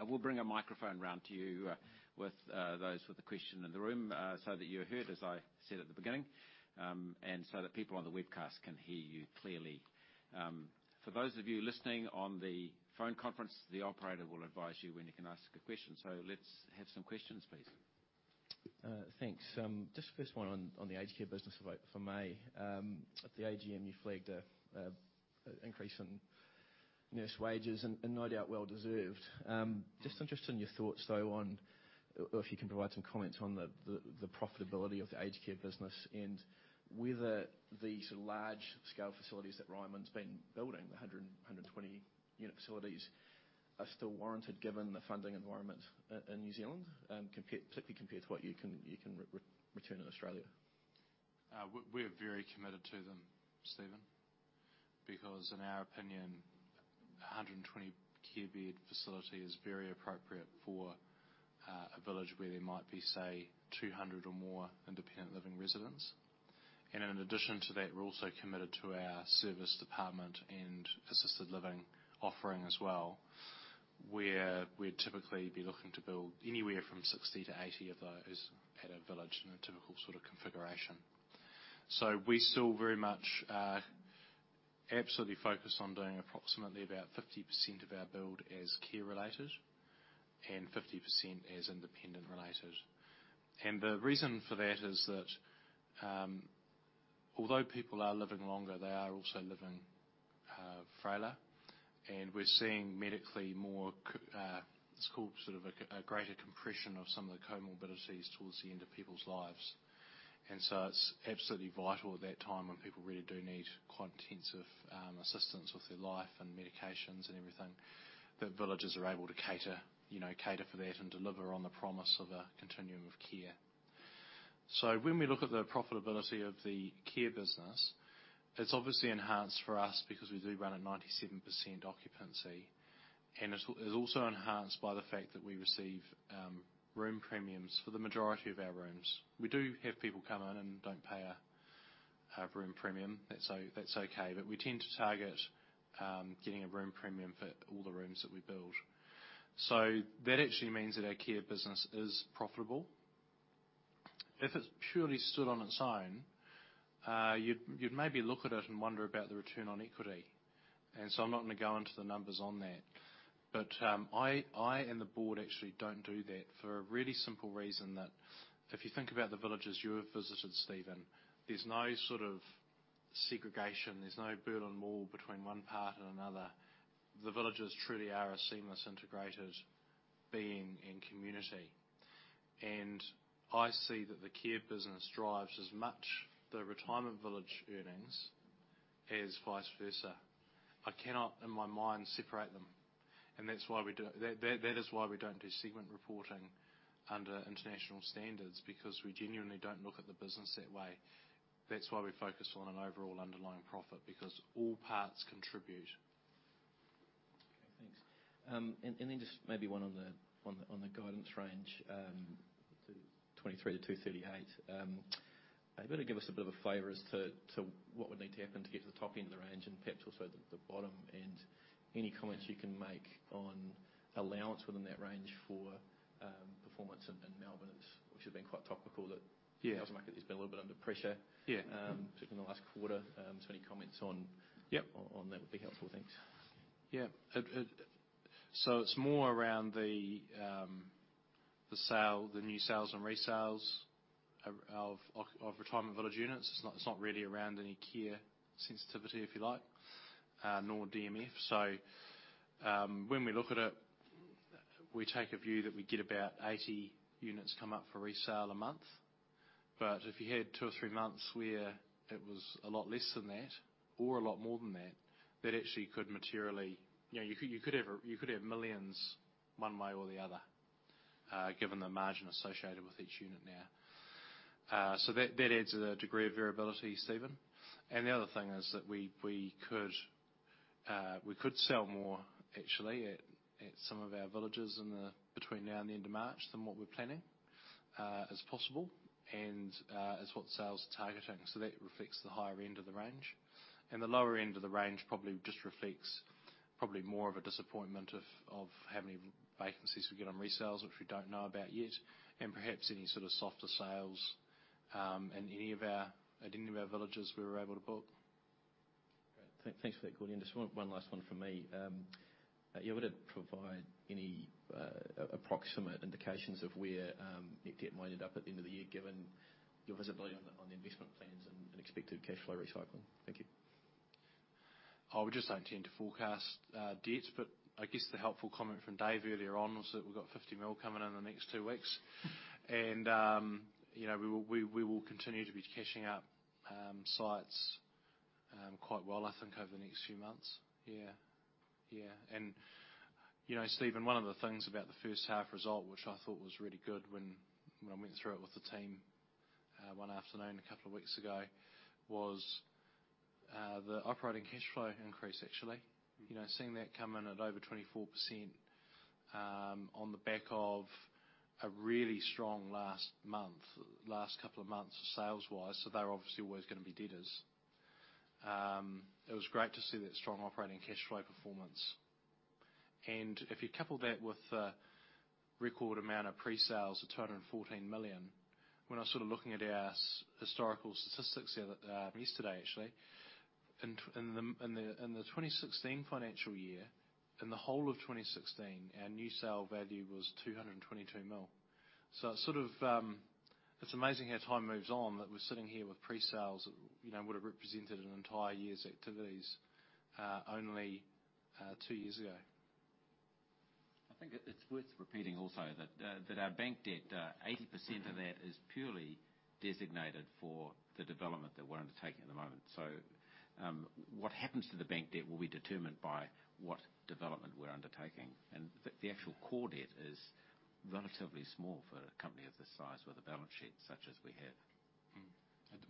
We'll bring a microphone round to you with those with a question in the room so that you're heard, as I said at the beginning, and so that people on the webcast can hear you clearly. For those of you listening on the phone conference, the operator will advise you when you can ask a question. Let's have some questions, please. Thanks. The first one on the aged care business for May. At the AGM, you flagged an increase in nurse wages and no doubt well deserved. Interested in your thoughts, though, on or if you can provide some comments on the profitability of the aged care business and whether these large-scale facilities that Ryman's been building, 100, 120 unit facilities, are still warranted given the funding environment in New Zealand, particularly compared to what you can return in Australia. We're very committed to them, Stephen, because in our opinion, 120 care bed facility is very appropriate for a village where there might be, say, 200 or more independent living residents. In addition to that, we're also committed to our serviced apartment and assisted living offering as well. Where we'd typically be looking to build anywhere from 60 to 80 of those per village in a typical sort of configuration. We still very much absolutely focus on doing approximately about 50% of our build as care related and 50% as independent related. The reason for that is that, although people are living longer, they are also living frailer, and we're seeing medically more, it's called sort of a greater compression of some of the comorbidities towards the end of people's lives. It's absolutely vital at that time when people really do need quite intensive assistance with their life and medications and everything, that villages are able to cater for that and deliver on the promise of a continuum of care. When we look at the profitability of the care business, it's obviously enhanced for us because we do run a 97% occupancy, and it's also enhanced by the fact that we receive room premiums for the majority of our rooms. We do have people come in and don't pay a room premium. That's okay. We tend to target getting a room premium for all the rooms that we build. That actually means that our care business is profitable. If it's purely stood on its own, you'd maybe look at it and wonder about the return on equity. I and the board actually don't do that for a really simple reason that if you think about the villages you have visited, Stephen Ridgewell, there's no sort of segregation. There's no Berlin Wall between one part and another. The villages truly are a seamless, integrated being and community. I see that the care business drives as much the retirement village earnings as vice versa. I cannot, in my mind, separate them. That is why we don't do segment reporting under international standards, because we genuinely don't look at the business that way. That's why we focus on an overall underlying profit, because all parts contribute. Okay, thanks. Just maybe one on the guidance range, the 23-38. Maybe give us a bit of a flavor as to what would need to happen to get to the top end of the range and perhaps also at the bottom. Any comments you can make on allowance within that range for performance in Melbourne, which has been quite topical? Yeah as margins been a little bit under pressure. Yeah during the last quarter. any comments on- Yep on that would be helpful, thanks. Yeah. It's more around the new sales and resales of retirement village units. It's not really around any care sensitivity, if you like, nor DMF. When we look at it, we take a view that we get about 80 units come up for resale a month. If you had two or three months where it was a lot less than that or a lot more than that actually could, you could have millions one way or the other, given the margin associated with each unit now. That adds a degree of variability, Stephen. The other thing is that we could sell more actually at some of our villages between now and the end of March than what we're planning is possible, and is what sales is targeting. That reflects the higher end of the range. The lower end of the range probably just reflects probably more of a disappointment of how many vacancies we get on resales, which we don't know about yet, and perhaps any sort of softer sales at any of our villages we were able to book. Great. Thanks for that, Gordon. Just one last one from me. Are you able to provide any approximate indications of where net debt might end up at the end of the year, given your visibility on the investment plans and expected cash flow recycle? Thank you. I would just intend to forecast debt, but I guess the helpful comment from David Bennett earlier on was that we've got 50 million coming in the next two weeks. We will continue to be cashing up sites quite well, I think, over the next few months. Yeah. Stephen Ridgewell, one of the things about the first half result, which I thought was really good when we went through it with the team one afternoon a couple of weeks ago was the operating cash flow increase, actually. Seeing that come in at over 24% on the back of a really strong last month, last couple of months sales-wise. They're obviously always going to be debtors. It was great to see that strong operating cash flow performance. If you couple that with the record amount of pre-sales at 214 million, we're now sort of looking at our historical statistics yesterday, actually. In the 2016 financial year, in the whole of 2016, our new sale value was 222 million. It's amazing how time moves on that we're sitting here with pre-sales that would have represented an entire year's activities only two years ago. I think it's worth repeating also that our bank debt, 80% of that is purely designated for the development that we're undertaking at the moment. What happens to the bank debt will be determined by what development we're undertaking. The actual core debt is relatively small for a company of this size with a balance sheet such as we have.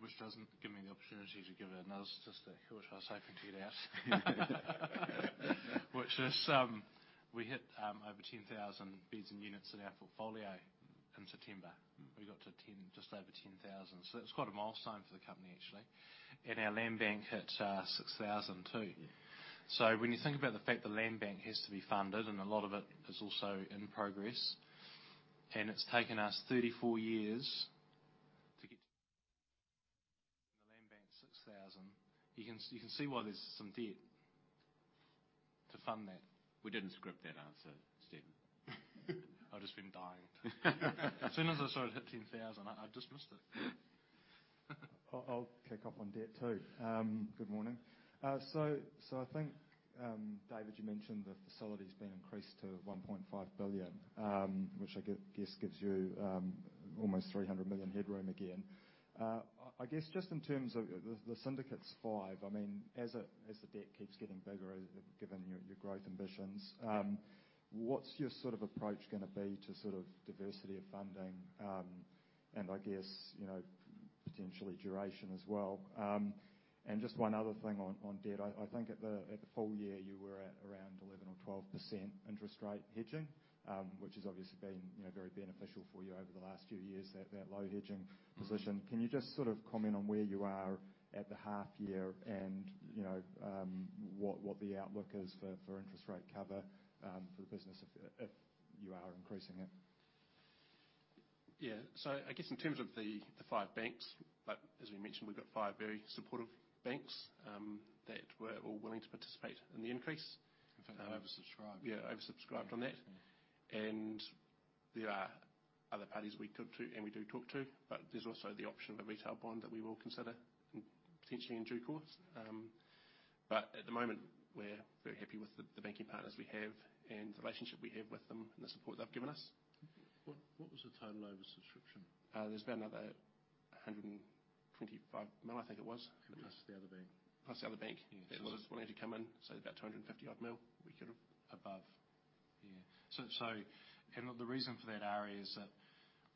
Which doesn't give me an opportunity to give another statistic, which I was hoping to get out. Which is, we hit over 10,000 beds and units in our portfolio. In September, we got to just over 10,000. That's quite a milestone for the company, actually. Our land bank hit 6,000 too. When you think about the fact the land bank has to be funded, and a lot of it is also in progress, and it's taken us 34 years to get the land bank to 6,000, you can see why there's some debt to fund that. We didn't script that answer, Stephen. I've just been dying to. As soon as I saw it hit 10,000, I just missed it. I'll pick up on debt too. Good morning. I think, David, you mentioned the facility's been increased to 1.5 billion, which I guess gives you almost 300 million headroom again. I guess just in terms of the syndicate's five, as the debt keeps getting bigger, given your growth ambitions, what's your approach going to be to diversity of funding, and I guess potentially duration as well? Just one other thing on debt. I think at the full year, you were at around 11% or 12% interest rate hedging, which has obviously been very beneficial for you over the last few years, that low hedging position. Can you just sort of comment on where you are at the half year and what the outlook is for interest rate cover for the business if you are increasing it? Yeah. I guess in terms of the five banks, but as we mentioned, we've got five very supportive banks that were all willing to participate in the increase. In fact, oversubscribed. Yeah, oversubscribed on that. There are other parties we could talk to, and we do talk to, but there's also the option of a retail bond that we will consider potentially in due course. At the moment, we're very happy with the banking partners we have and the relationship we have with them and the support they've given us. What was the total oversubscription? There's been about 125 million, I think it was. Plus the other bank. The other bank that was ready to come in, about 250 million we could above. Yeah. The reason for that is that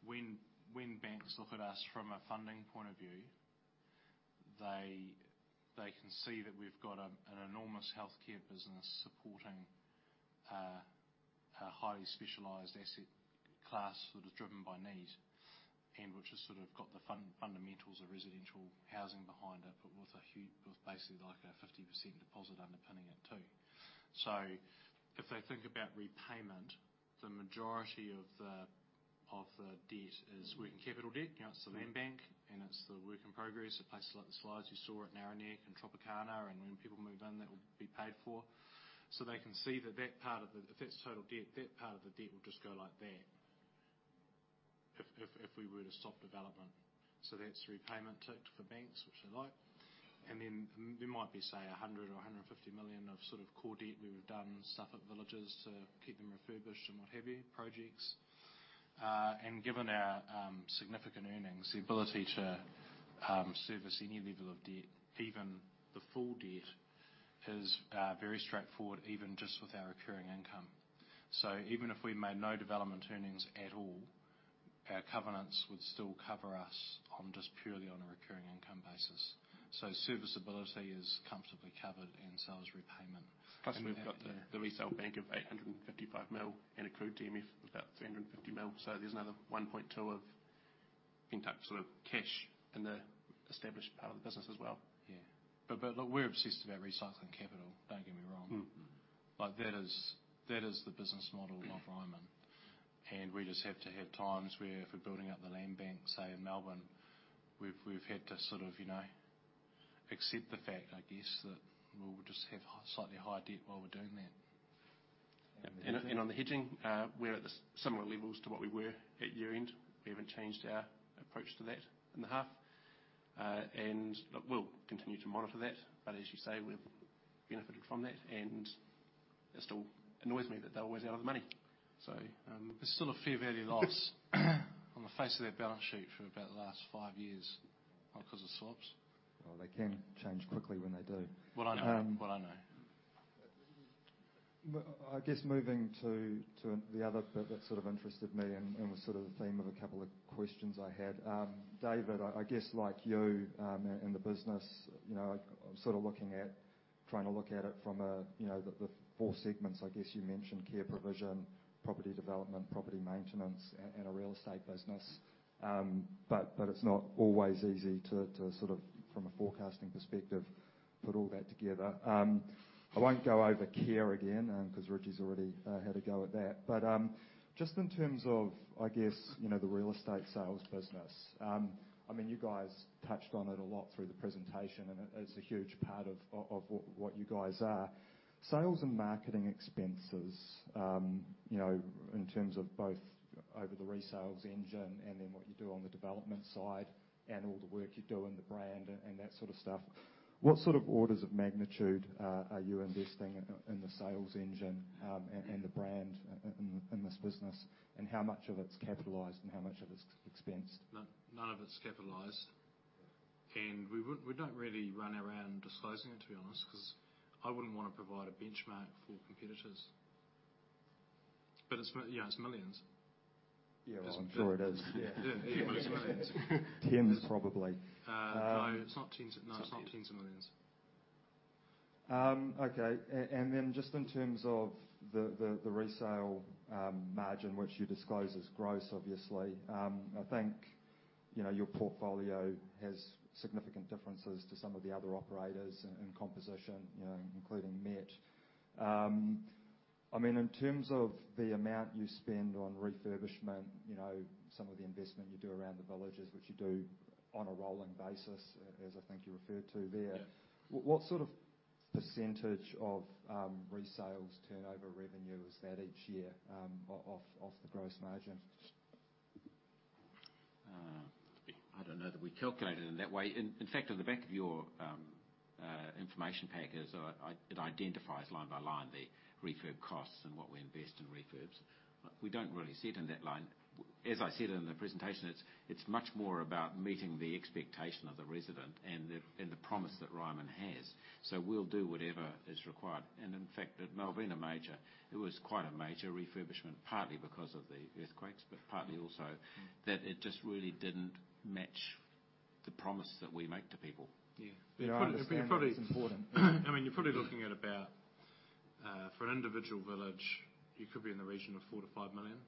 when banks look at us from a funding point of view, they can see that we've got an enormous healthcare business supporting a highly specialized asset class that is driven by need and which has sort of got the fundamentals of residential housing behind it, but with basically like a 50% deposit underpinning it too. If they think about repayment, the majority of the debt is working capital debt. It's the land bank, and it's the work in progress, the places like the slides you saw at Narre Warren and Tropicana, and when people move in, that will be paid for. They can see that if that's total debt, that part of the debt will just go like that if we were to stop development. That's repayment ticked for banks, which they like. Then there might be, say, 100 million or 150 million of sort of core debt we've done, Suffolk Villages to keep them refurbished and what have you, projects. Given our significant earnings, the ability to service any level of debt, even the full debt, is very straightforward, even just with our recurring income. Even if we made no development earnings at all, our covenants would still cover us on just purely on a recurring income basis. Serviceability is comfortably covered and so is repayment. We've got the resale bank of 855 million and a crude DMF of about 350 million. There's another 1.2 billion of in-type sort of cash in the established part of the business as well. Yeah. Look, we're obsessed about recycling capital. Don't get me wrong. That is the business model of Ryman, and we just have to have times where if we're building up the land bank, say, in Melbourne, we've had to sort of accept the fact, I guess, that we'll just have slightly higher debt while we're doing that. On the hedging, we're at similar levels to what we were at year-end. We haven't changed our approach to that in the half. Look, we'll continue to monitor that, but as you say, we've benefited from that, and it still annoys me that they'll always owe us money. There's still a fair value loss on the face of that balance sheet for about the last five years because of swaps. Well, they can change quickly when they do. Well, I know. I guess moving to the other bit that sort of interested me and was sort of the theme of a couple of questions I had. David, I guess like you in the business, I'm sort of trying to look at it from the four segments, I guess you mentioned care provision, property development, property maintenance, and a real estate business. It's not always easy to sort of, from a forecasting perspective, put all that together. I won't go over care again because Richie's already had a go at that. Just in terms of, I guess, the real estate sales business. You guys touched on it a lot through the presentation, and it's a huge part of what you guys are. Sales and marketing expenses, in terms of both over the resales engine and then what you do on the development side and all the work you do on the brand and that sort of stuff, what sort of orders of magnitude are you investing in the sales engine and the brand in this business, and how much of it's capitalized and how much of it's expensed? None of it's capitalized. We don't really run around disclosing it, to be honest, because I wouldn't want to provide a benchmark for competitors. It's millions. Yeah, well, I'm sure it is. Yeah, it's millions. Tens, probably. No, it's not NZD tens of millions. Okay. Just in terms of the resale margin, which you disclose as gross, obviously, I think your portfolio has significant differences to some of the other operators in composition, including Metlifecare. In terms of the amount you spend on refurbishment, some of the investment you do around the villages, which you do on a rolling basis, as I think you referred to there, what sort of percentage of resales turnover revenue is that each year off the gross margin? I don't know that we calculate it in that way. In fact, on the back of your information pack, it identifies line by line the refurb costs and what we invest in refurbs. We don't really see it in that line. As I said in the presentation, it's much more about meeting the expectation of the resident and the promise that Ryman has. We'll do whatever is required. In fact, at Malvina Major, it was quite a major refurbishment, partly because of the earthquakes, but partly also that it just really didn't match the promise that we make to people. Yeah. I understand that's important. You're probably looking at about, for an individual village, it could be in the region of 4 million to 5 million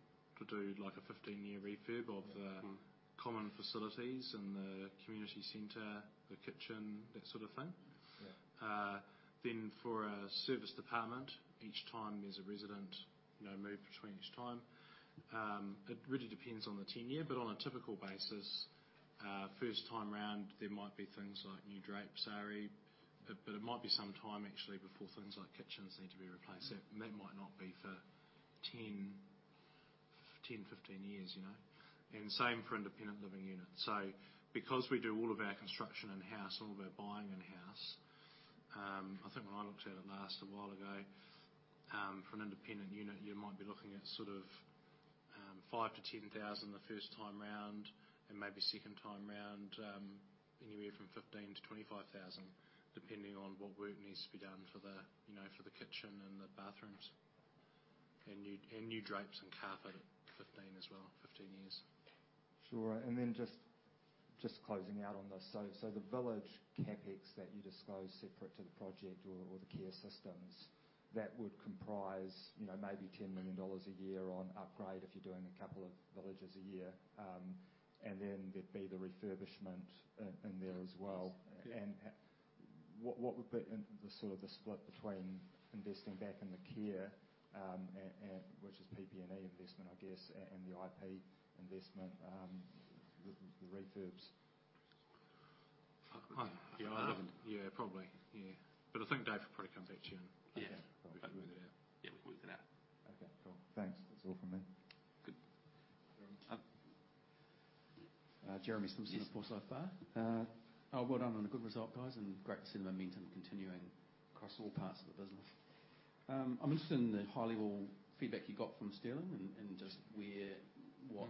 to do a 15-year refurb of the common facilities and the community center, the kitchen, that sort of thing. Yeah. For a service department, each time there's a resident move between each time, it really depends on the tenure, but on a typical basis, first time around, there might be things like new drapes. It might be some time actually before things like kitchens need to be replaced, and that might not be for 10, 15 years. Same for independent living units. Because we do all of our construction in-house, all of our buying in-house, I think when I looked at it last a while ago, for an independent unit, you might be looking at sort of 5,000-10,000 the first time around, and maybe second time around, anywhere from 15,000-25,000, depending on what work needs to be done for the kitchen and the bathrooms. New drapes and carpet, 15 as well, 15 years. Sure. Then just closing out on this. The village CapEx that you disclose separate to the project or the care systems, that would comprise maybe 10 million dollars a year on upgrade if you're doing a couple of villages a year, and then there'd be the refurbishment in there as well. Yes. What would be the sort of split between investing back into care, which is PP&E investment, I guess, and the IP investment, the refurbs? Yeah, probably. I think Dave will probably come back to you. Yeah. We'll work that out. Okay, cool. Thanks. That's all from me. Good. Jeremy Simpson, Forsyth Barr. Well done on the good result, guys, and great to see the momentum continuing across all parts of the business. I'm interested in the high-level feedback you got from Stirling and just what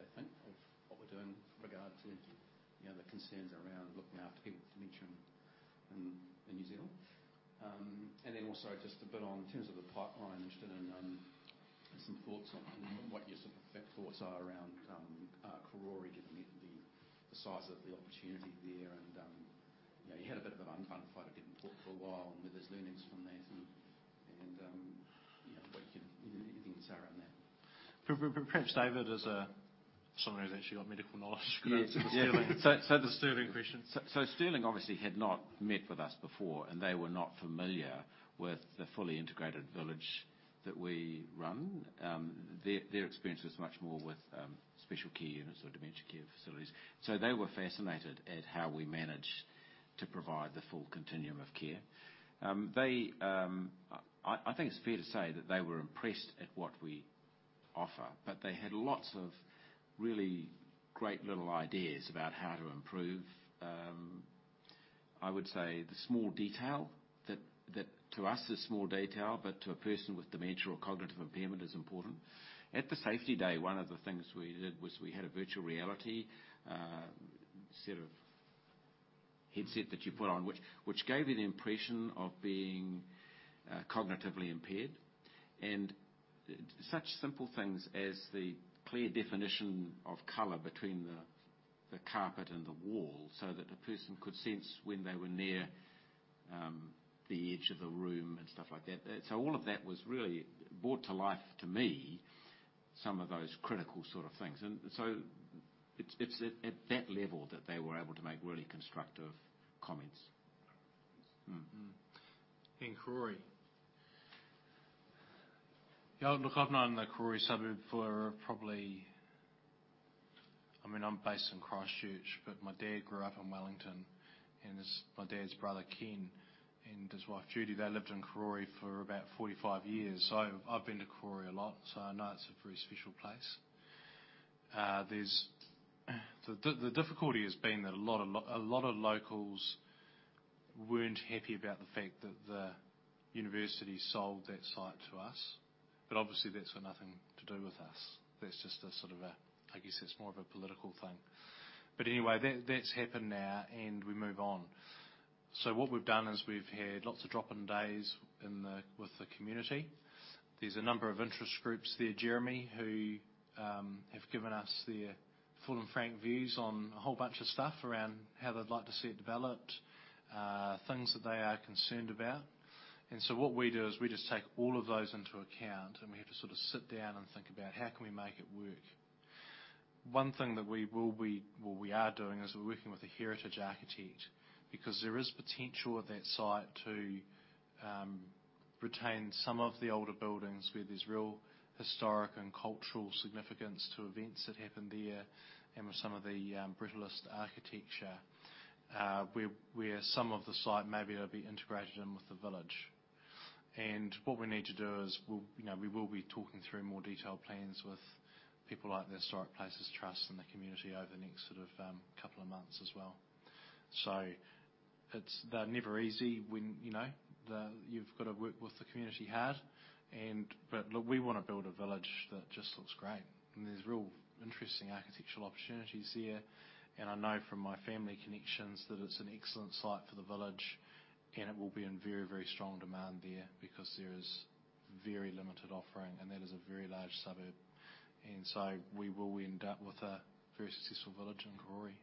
they think of what we're doing with regard to the concerns around looking after people with dementia in New Zealand. Then also just a bit on in terms of the pipeline and some thoughts on what your thoughts are around Karori, given the size of the opportunity there, and you had a bit of an unfun fight at Port for a while, and there's learnings from that, and what you can say around that. Perhaps David, as someone who's actually got medical knowledge. Yeah. The Stirling question. Stirling obviously had not met with us before, and they were not familiar with the fully integrated village that we run. Their experience was much more with special care units or dementia care facilities. They were fascinated at how we managed to provide the full continuum of care. I think it's fair to say that they were impressed at what we offer, but they had lots of really great little ideas about how to improve, I would say, the small detail, that to us is small detail, but to a person with dementia or cognitive impairment is important. At the safety day, one of the things we did was we had a virtual reality headset that you put on, which gave you the impression of being cognitively impaired, and such simple things as the clear definition of color between the carpet and the wall, so that the person could sense when they were near the edge of a room and stuff like that. All of that was really brought to life to me, some of those critical sort of things. It's at that level that they were able to make really constructive comments. Karori. Look, I've known the Karori suburb for probably, I mean, I'm based in Christchurch, but my dad grew up in Wellington, and my dad's brother, Ken, and his wife, Judy, they lived in Karori for about 45 years. I've been to Karori a lot, so I know it's a very special place. The difficulty has been that a lot of locals weren't happy about the fact that the university sold that site to us. Obviously, that's got nothing to do with us. That's just a sort of, I guess that's more of a political thing. Anyway, that's happened now and we move on. What we've done is we've had lots of drop-in days with the community. There's a number of interest groups there, Jeremy, who have given us their full and frank views on a whole bunch of stuff around how they'd like to see it developed, things that they are concerned about. What we do is we just take all of those into account, and we have to sit down and think about how can we make it work. One thing that we are doing is we're working with a heritage architect because there is potential with that site to retain some of the older buildings where there's real historic and cultural significance to events that happened there and with some of the brutalist architecture, where some of the site maybe will be integrated in with the village. What we need to do is we will be talking through more detailed plans with people like the Historic Places Trust and the community over the next couple of months as well. They're never easy when you've got to work with the community hard. We want to build a village that just looks great. There's real interesting architectural opportunities here, and I know from my family connections that it's an excellent site for the village, and it will be in very, very strong demand there because there is very limited offering, and that is a very large suburb. We will end up with a very successful village in Karori.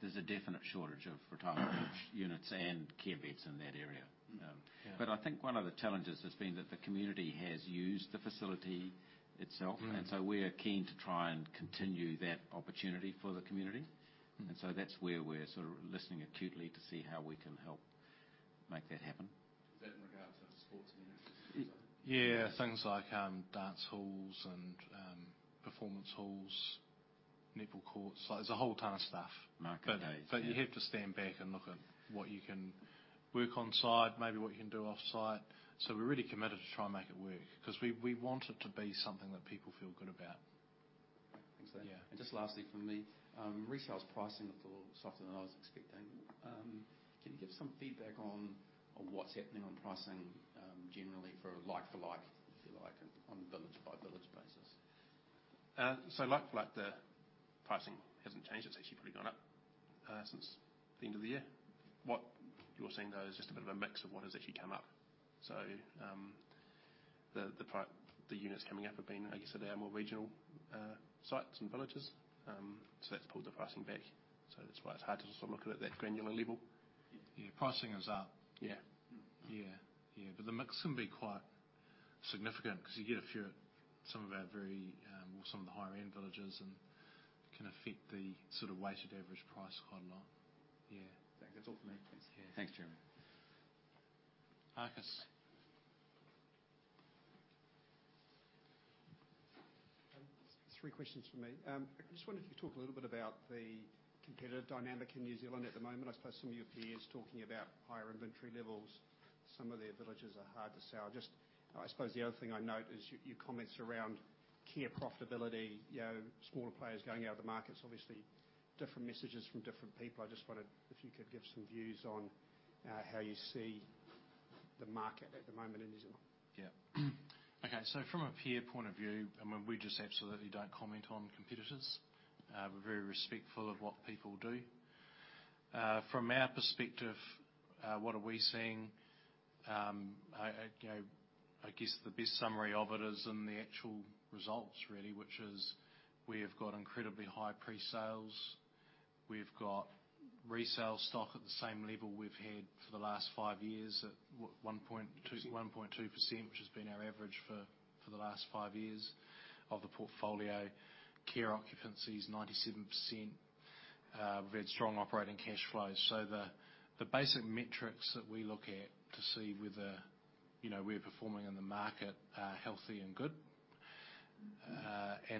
There's a definite shortage of retirement village units and care beds in that area. Yeah. I think one of the challenges has been that the community has used the facility itself, and so we are keen to try and continue that opportunity for the community. That's where we're sort of listening acutely to see how we can help make that happen. Is that in regards to the sports amenities as well? Yeah, things like dance halls and performance halls, netball courts. It's a whole ton of stuff. Market days, yeah. You have to stand back and look at what you can work on-site, maybe what you can do off-site. We're really committed to try and make it work because we want it to be something that people feel good about. Yeah. Just lastly from me, resale pricing is something I was expecting. Can you give some feedback on what's happening on pricing generally for like-for-like, if you like, on a village-by-village basis? Like-for-like, the pricing hasn't changed. It's actually gone up since the end of the year. What you're seeing, though, is just a bit of a mix of what has actually come up. The units coming up have been, like you said, our more regional sites and villages. That's pulled the pricing back. That's why it's hard to look at it at that granular level. Yeah, pricing is up. Yeah. Yeah. The mix can be quite significant because you get a few at some of our very, well, some of the higher-end villages, and can affect the weighted average price quite a lot. Yeah. That's all from me. Thanks. Yeah. Thanks, Jeremy. Marcus. Three questions from me. I just wonder if you could talk a little bit about the competitor dynamic in New Zealand at the moment. I suppose some of your peers talking about higher inventory levels, some of their villages are hard to sell. I suppose the other thing I note is your comments around care profitability, smaller players going out of the markets, obviously different messages from different people. I just wondered if you could give some views on how you see the market at the moment in New Zealand. Yeah. Okay. From a peer point of view, we just absolutely don't comment on competitors. We're very respectful of what people do. From our perspective, what are we seeing? I guess the best summary of it is in the actual results really, which is we have got incredibly high pre-sales. We've got resale stock at the same level we've had for the last five years at what, 1.2% which has been our average for the last five years of the portfolio. Care occupancy is 97%. We've had strong operating cash flows. The basic metrics that we look at to see whether we're performing in the market are healthy and good.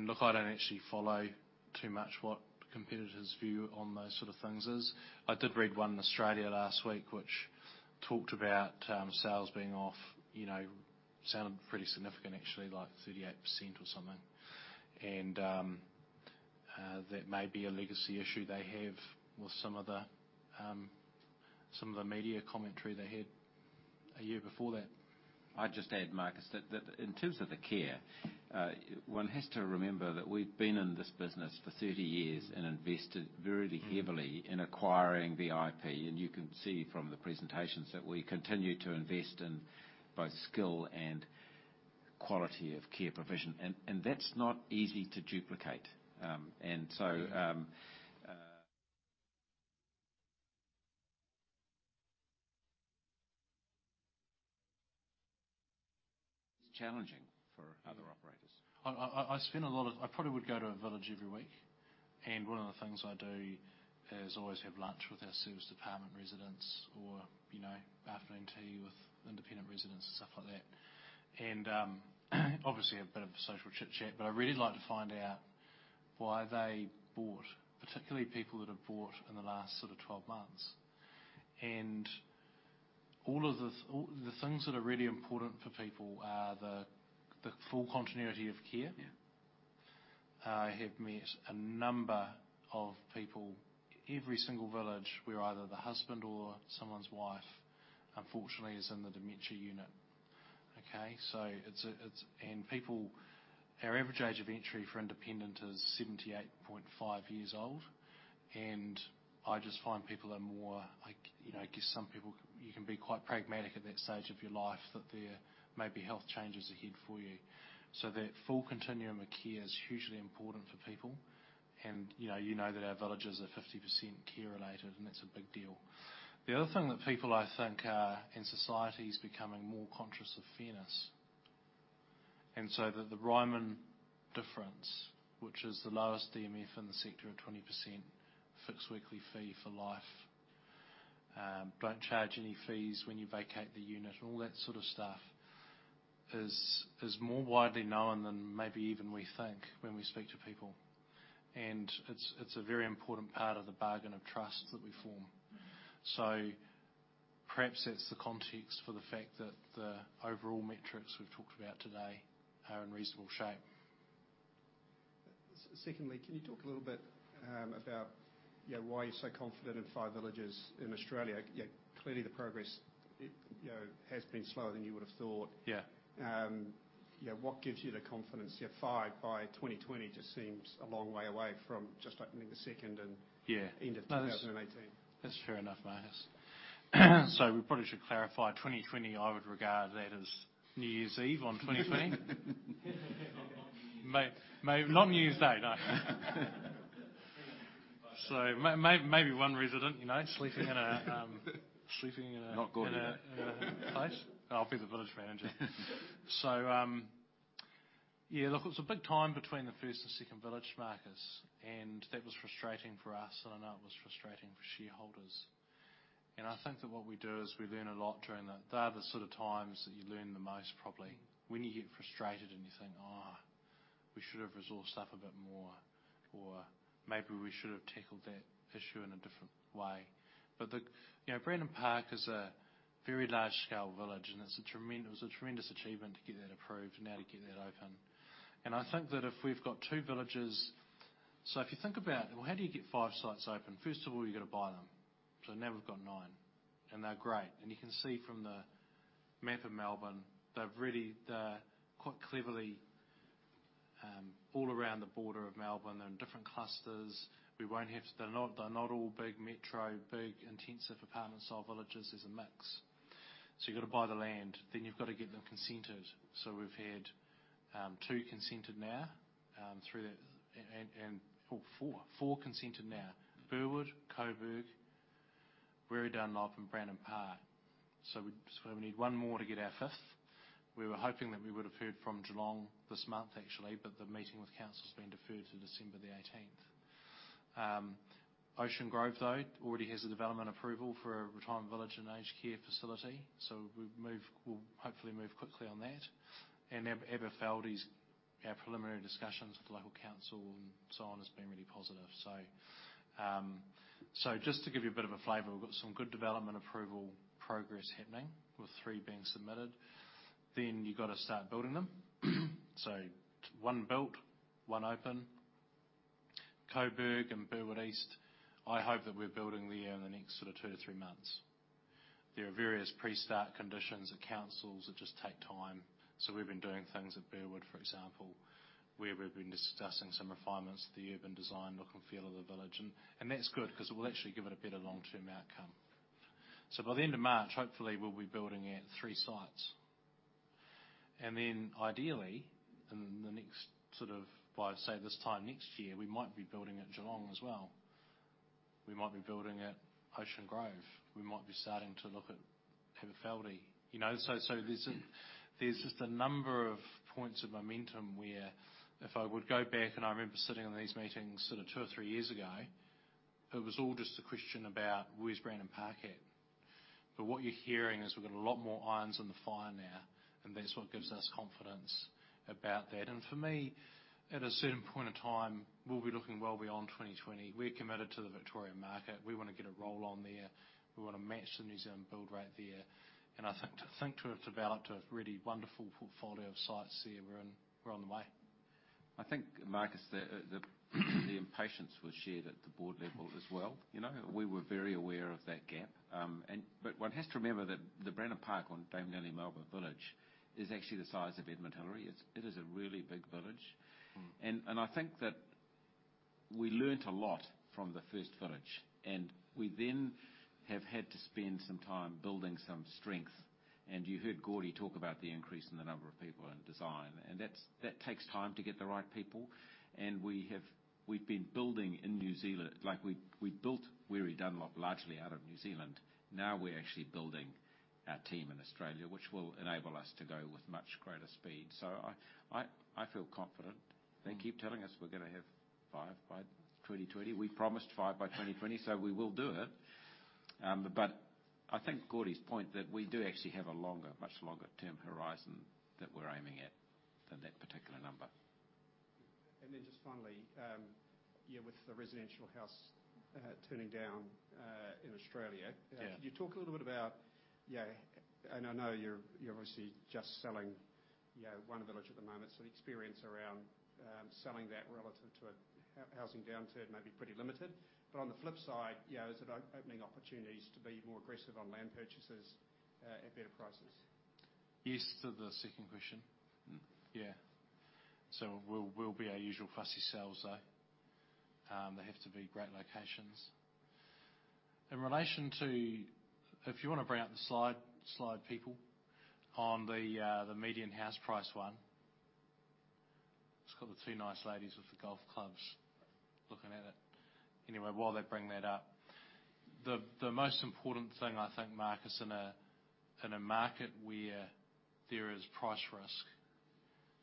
Look, I don't actually follow too much what competitors view on those sort of things is. I did read one in Australia last week which talked about sales being off, sounded pretty significant, actually, like 38% or something. That may be a legacy issue they have with some of the media commentary they had a year before that. I'd just add, Marcus, that in terms of the care, one has to remember that we've been in this business for 30 years and invested very heavily in acquiring the IP. You can see from the presentations that we continue to invest in both skill and quality of care provision, and that's not easy to duplicate. It's challenging for other operators. I probably would go to a village every week, and one of the things I do is always have lunch with our serviced department residents or afternoon tea with independent residents and stuff like that. Obviously a bit of social chitchat, but I really like to find out why they bought, particularly people that have bought in the last sort of 12 months. The things that are really important for people are the full continuity of care. Yeah. I have met a number of people, every single village where either the husband or someone's wife, unfortunately, is in the dementia unit. Okay? Our average age of entry for independent is 78.5 years old. I just find people are more, I guess some people, you can be quite pragmatic at that stage of your life that there may be health changes ahead for you. That full continuum of care is hugely important for people. You know that our villages are 50% care related, and that's a big deal. The other thing that people, I think are, and society is becoming more conscious of fairness. That the Ryman difference, which is the lowest DMF in the sector of 20%, fixed weekly fee for life, don't charge any fees when you vacate the unit, all that sort of stuff, is more widely known than maybe even we think when we speak to people. It's a very important part of the bargain of trust that we form. Perhaps that's the context for the fact that the overall metrics we've talked about today are in reasonable shape. Secondly, can you talk a little bit about why you're so confident in five villages in Australia? Clearly the progress has been slower than you would've thought. Yeah. What gives you the confidence? Five by 2020 just seems a long way away from just opening the second in end of 2018. That's fair enough, Marcus. We probably should clarify, 2020, I would regard that as New Year's Eve on 2019. Not New Year's Day. No. Maybe one resident sleeping in a. Not Gordy. place. I'll be the village manager. Look, it's a big time between the first and second village, Marcus. That was frustrating for us. I know that was frustrating for shareholders. I think that what we do is we learn a lot during that. They are the sort of times that you learn the most, probably when you get frustrated and you think, we should have resourced up a bit more, or maybe we should have tackled that issue in a different way. The Brandon Park is a very large-scale village, and it was a tremendous achievement to get that approved and now to get that open. I think that if we've got two villages, so if you think about, well, how do you get five sites open? First of all, you've got to buy them. Now we've got nine, and they're great. You can see from the map of Melbourne, they're quite cleverly all around the border of Melbourne in different clusters. They're not all big metro, big intensive apartment style villages. There's a mix. You've got to buy the land, then you've got to get them consented. We've had two consented now, and three, four consented now, Burwood, Coburg, Weary Dunlop, and Brandon Park. We need one more to get our fifth. We were hoping that we would have heard from Geelong this month, actually, but the meeting with council's been deferred to December 18th. Ocean Grove, though, already has a development approval for a retirement village and aged care facility, so we'll hopefully move quickly on that. Aberfeldie's preliminary discussions with local council and so on has been really positive. Just to give you a bit of a flavor, we've got some good development approval progress happening with three being submitted. You've got to start building them. One built, one open, Coburg and Burwood East, I hope that we're building there in the next sort of two or three months. There are various pre-start conditions at councils that just take time. We've been doing things at Burwood, for example, where we've been discussing some refinements to the urban design look and feel of the village. That's good because it will actually give it a better long-term outcome. By the end of March, hopefully, we'll be building at three sites. Ideally by, say, this time next year, we might be building at Geelong as well. We might be building at Ocean Grove. We might be starting to look at Aberfeldie. There's just a number of points of momentum where if I would go back and I remember sitting in these meetings sort of two or three years ago, it was all just a question about where's Brandon Park at? What you're hearing is we've got a lot more irons in the fire now, and that's what gives us confidence about that. For me, at a certain point of time, we'll be looking well beyond 2020. We're committed to the Victorian market. We want to get a roll on there. We want to match the New Zealand build right there. I think, to think to it about a really wonderful portfolio of sites there, we're on the way. I think, Marcus, the impatience was shared at the board level as well. One has to remember that the Brandon Park on Dame Nellie Melba Village is actually the size of Edmund Hillary. It is a really big village. I think that we learned a lot from the first village, and we then have had to spend some time building some strength. You heard Gordy talk about the increase in the number of people in design, and that takes time to get the right people. We've been building in New Zealand. We built Weary Dunlop largely out of New Zealand. Now we're actually building our team in Australia, which will enable us to go with much greater speed. I feel confident. They keep telling us we're going to have five by 2020. We promised five by 2020, we will do it. I think Gordon MacLeod's point that we do actually have a much longer-term horizon that we're aiming at for that particular number. Just finally, with the residential house turning down in Australia. Yeah could you talk a little bit about, and I know you're obviously just selling one village at the moment, so experience around selling that relative to a housing downturn may be pretty limited. On the flip side, are there opening opportunities to be more aggressive on land purchases at fair prices? Yes to the second question. Yeah We'll be our usual fussy selves, though. They have to be great locations. If you want to bring up the slide, people, on the median house price one. It's got the two nice ladies with the golf clubs looking at it. Anyway, while they bring that up, the most important thing I think, Mark, is in a market where there is price risk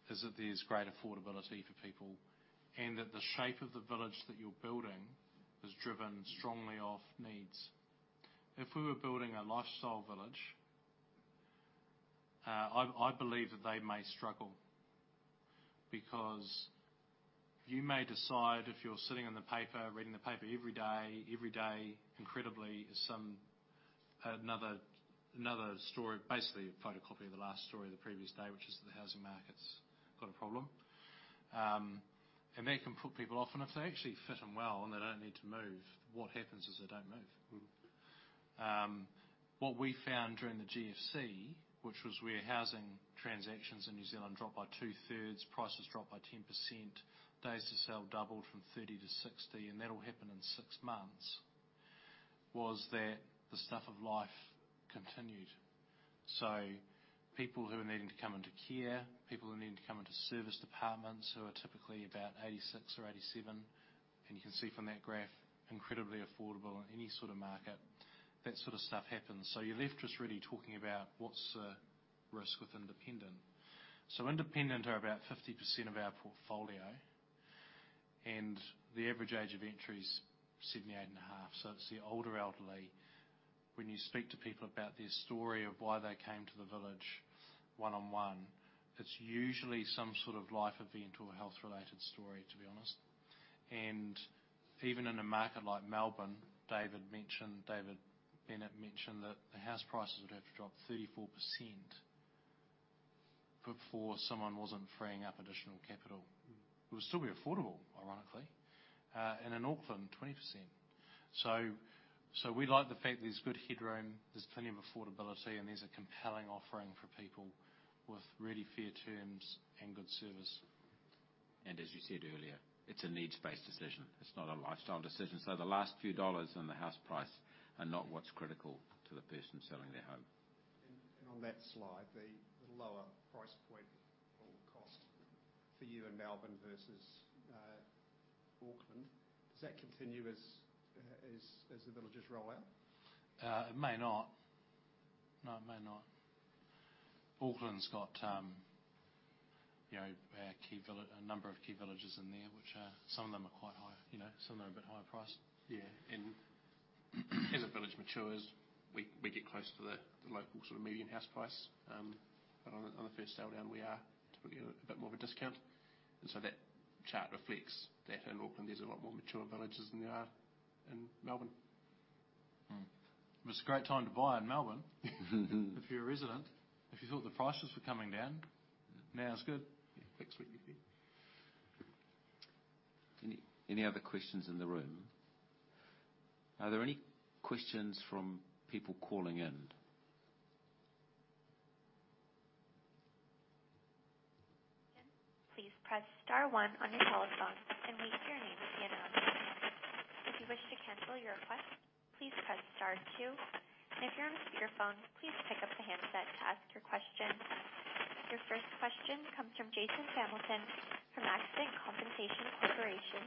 is that there's great affordability for people, and that the shape of the village that you're building is driven strongly off needs. If we were building a lifestyle village, I believe that they may struggle because you may decide if you're sitting in the paper, reading the paper every day, incredibly, another story, basically a photocopy of the last story of the previous day, which is the housing market's got a problem, and that can put people off. If they fit in well and they don't need to move, what happens is they don't move. What we found during the GFC, which was where housing transactions in New Zealand dropped by two-thirds, prices dropped by 10%, days to sale doubled from 30-60, and that all happened in six months, was that the stuff of life continued. People who are needing to come into care, people who are needing to come into service departments, who are typically about 86 or 87, and you can see from that graph, incredibly affordable in any sort of market, that sort of stuff happens. You're left just really talking about what's the risk with independent. Independent are about 50% of our portfolio, and the average age of entry is 78 and a half, so it's the older elderly. When you speak to people about their story of why they came to the village one-on-one, it's usually some sort of life event or health-related story, to be honest. Even in a market like Melbourne, David Bennett mentioned that the house prices would have to drop 34% before someone wasn't freeing up additional capital. It would still be affordable, ironically, in Auckland, 20%. We like the fact there's good headroom, there's plenty of affordability, and there's a compelling offering for people with really fair terms and good service. As you said earlier, it's a needs-based decision. It's not a lifestyle decision. The last few dollars in the house price are not what's critical to the person selling their home. On that slide, the lower price point or cost for you in Melbourne versus Auckland, does that continue as the villages roll out? It may not. No, it may not. Auckland's got a number of key villages in there, which some of them are a bit high priced. Yeah, as the village matures, we get close to the local sort of median house price. On the first sale round, we are typically a bit more of a discount, that chart reflects that in Auckland there's a lot more mature villages than there are in Melbourne. It's a great time to buy in Melbourne if you're a resident. If you thought the prices were coming down, now is good. Yeah, thanks for your view. Any other questions in the room? Are there any questions from people calling in? Your first question comes from Jason Hamilton from Aspire Consultation Corporation.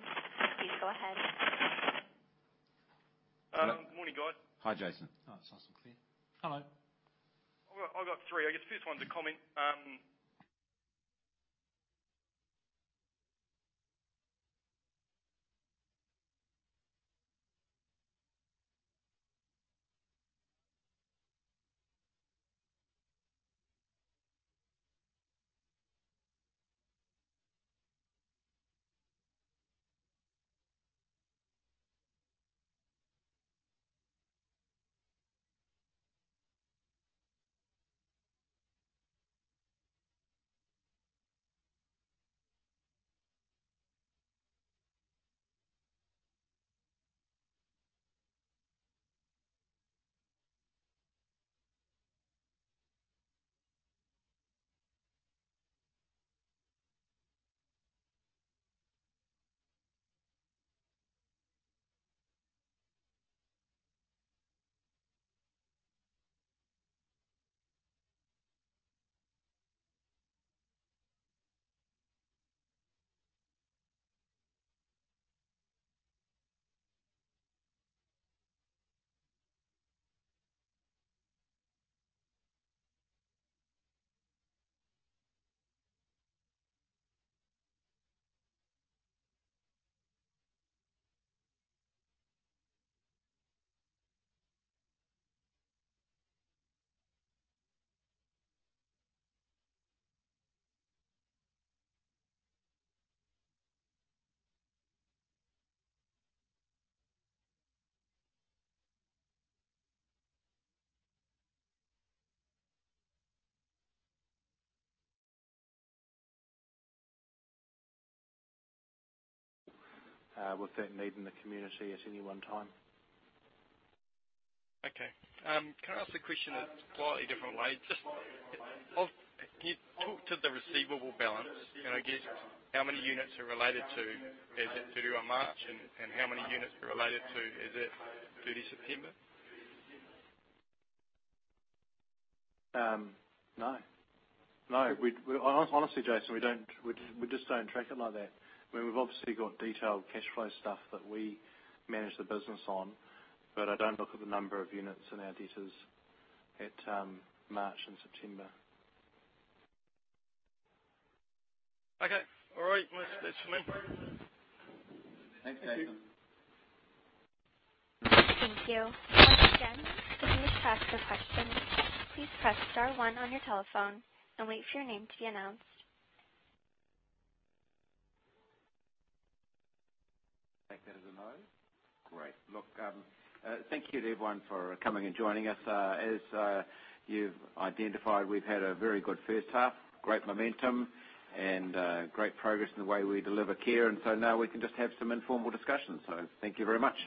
Please go ahead. Morning, guys. Hi, Jason. That's nice and clear. Hello. I've got three. I guess this one's a comment. With that need in the community at any one time. Okay. Can I ask a question a slightly different way? You talked to the receivable balance, can I guess how many units are related to as at 31 March and how many units are related to as at 30 September? No. Honestly, Jason, we just don't track it like that. We've obviously got detailed cash flow stuff that we manage the business on, but I don't look at the number of units in our debtors at March and September. Okay. All right, Mike. That's me. Thank you. Thank you. Again, to ask a question, please press star one on your telephone and wait for your name to be announced. Take that as a no. Great. Thank you everyone for coming and joining us. As you've identified, we've had a very good first half, great momentum, and great progress in the way we deliver care. Now we can just have some informal discussions. Thank you very much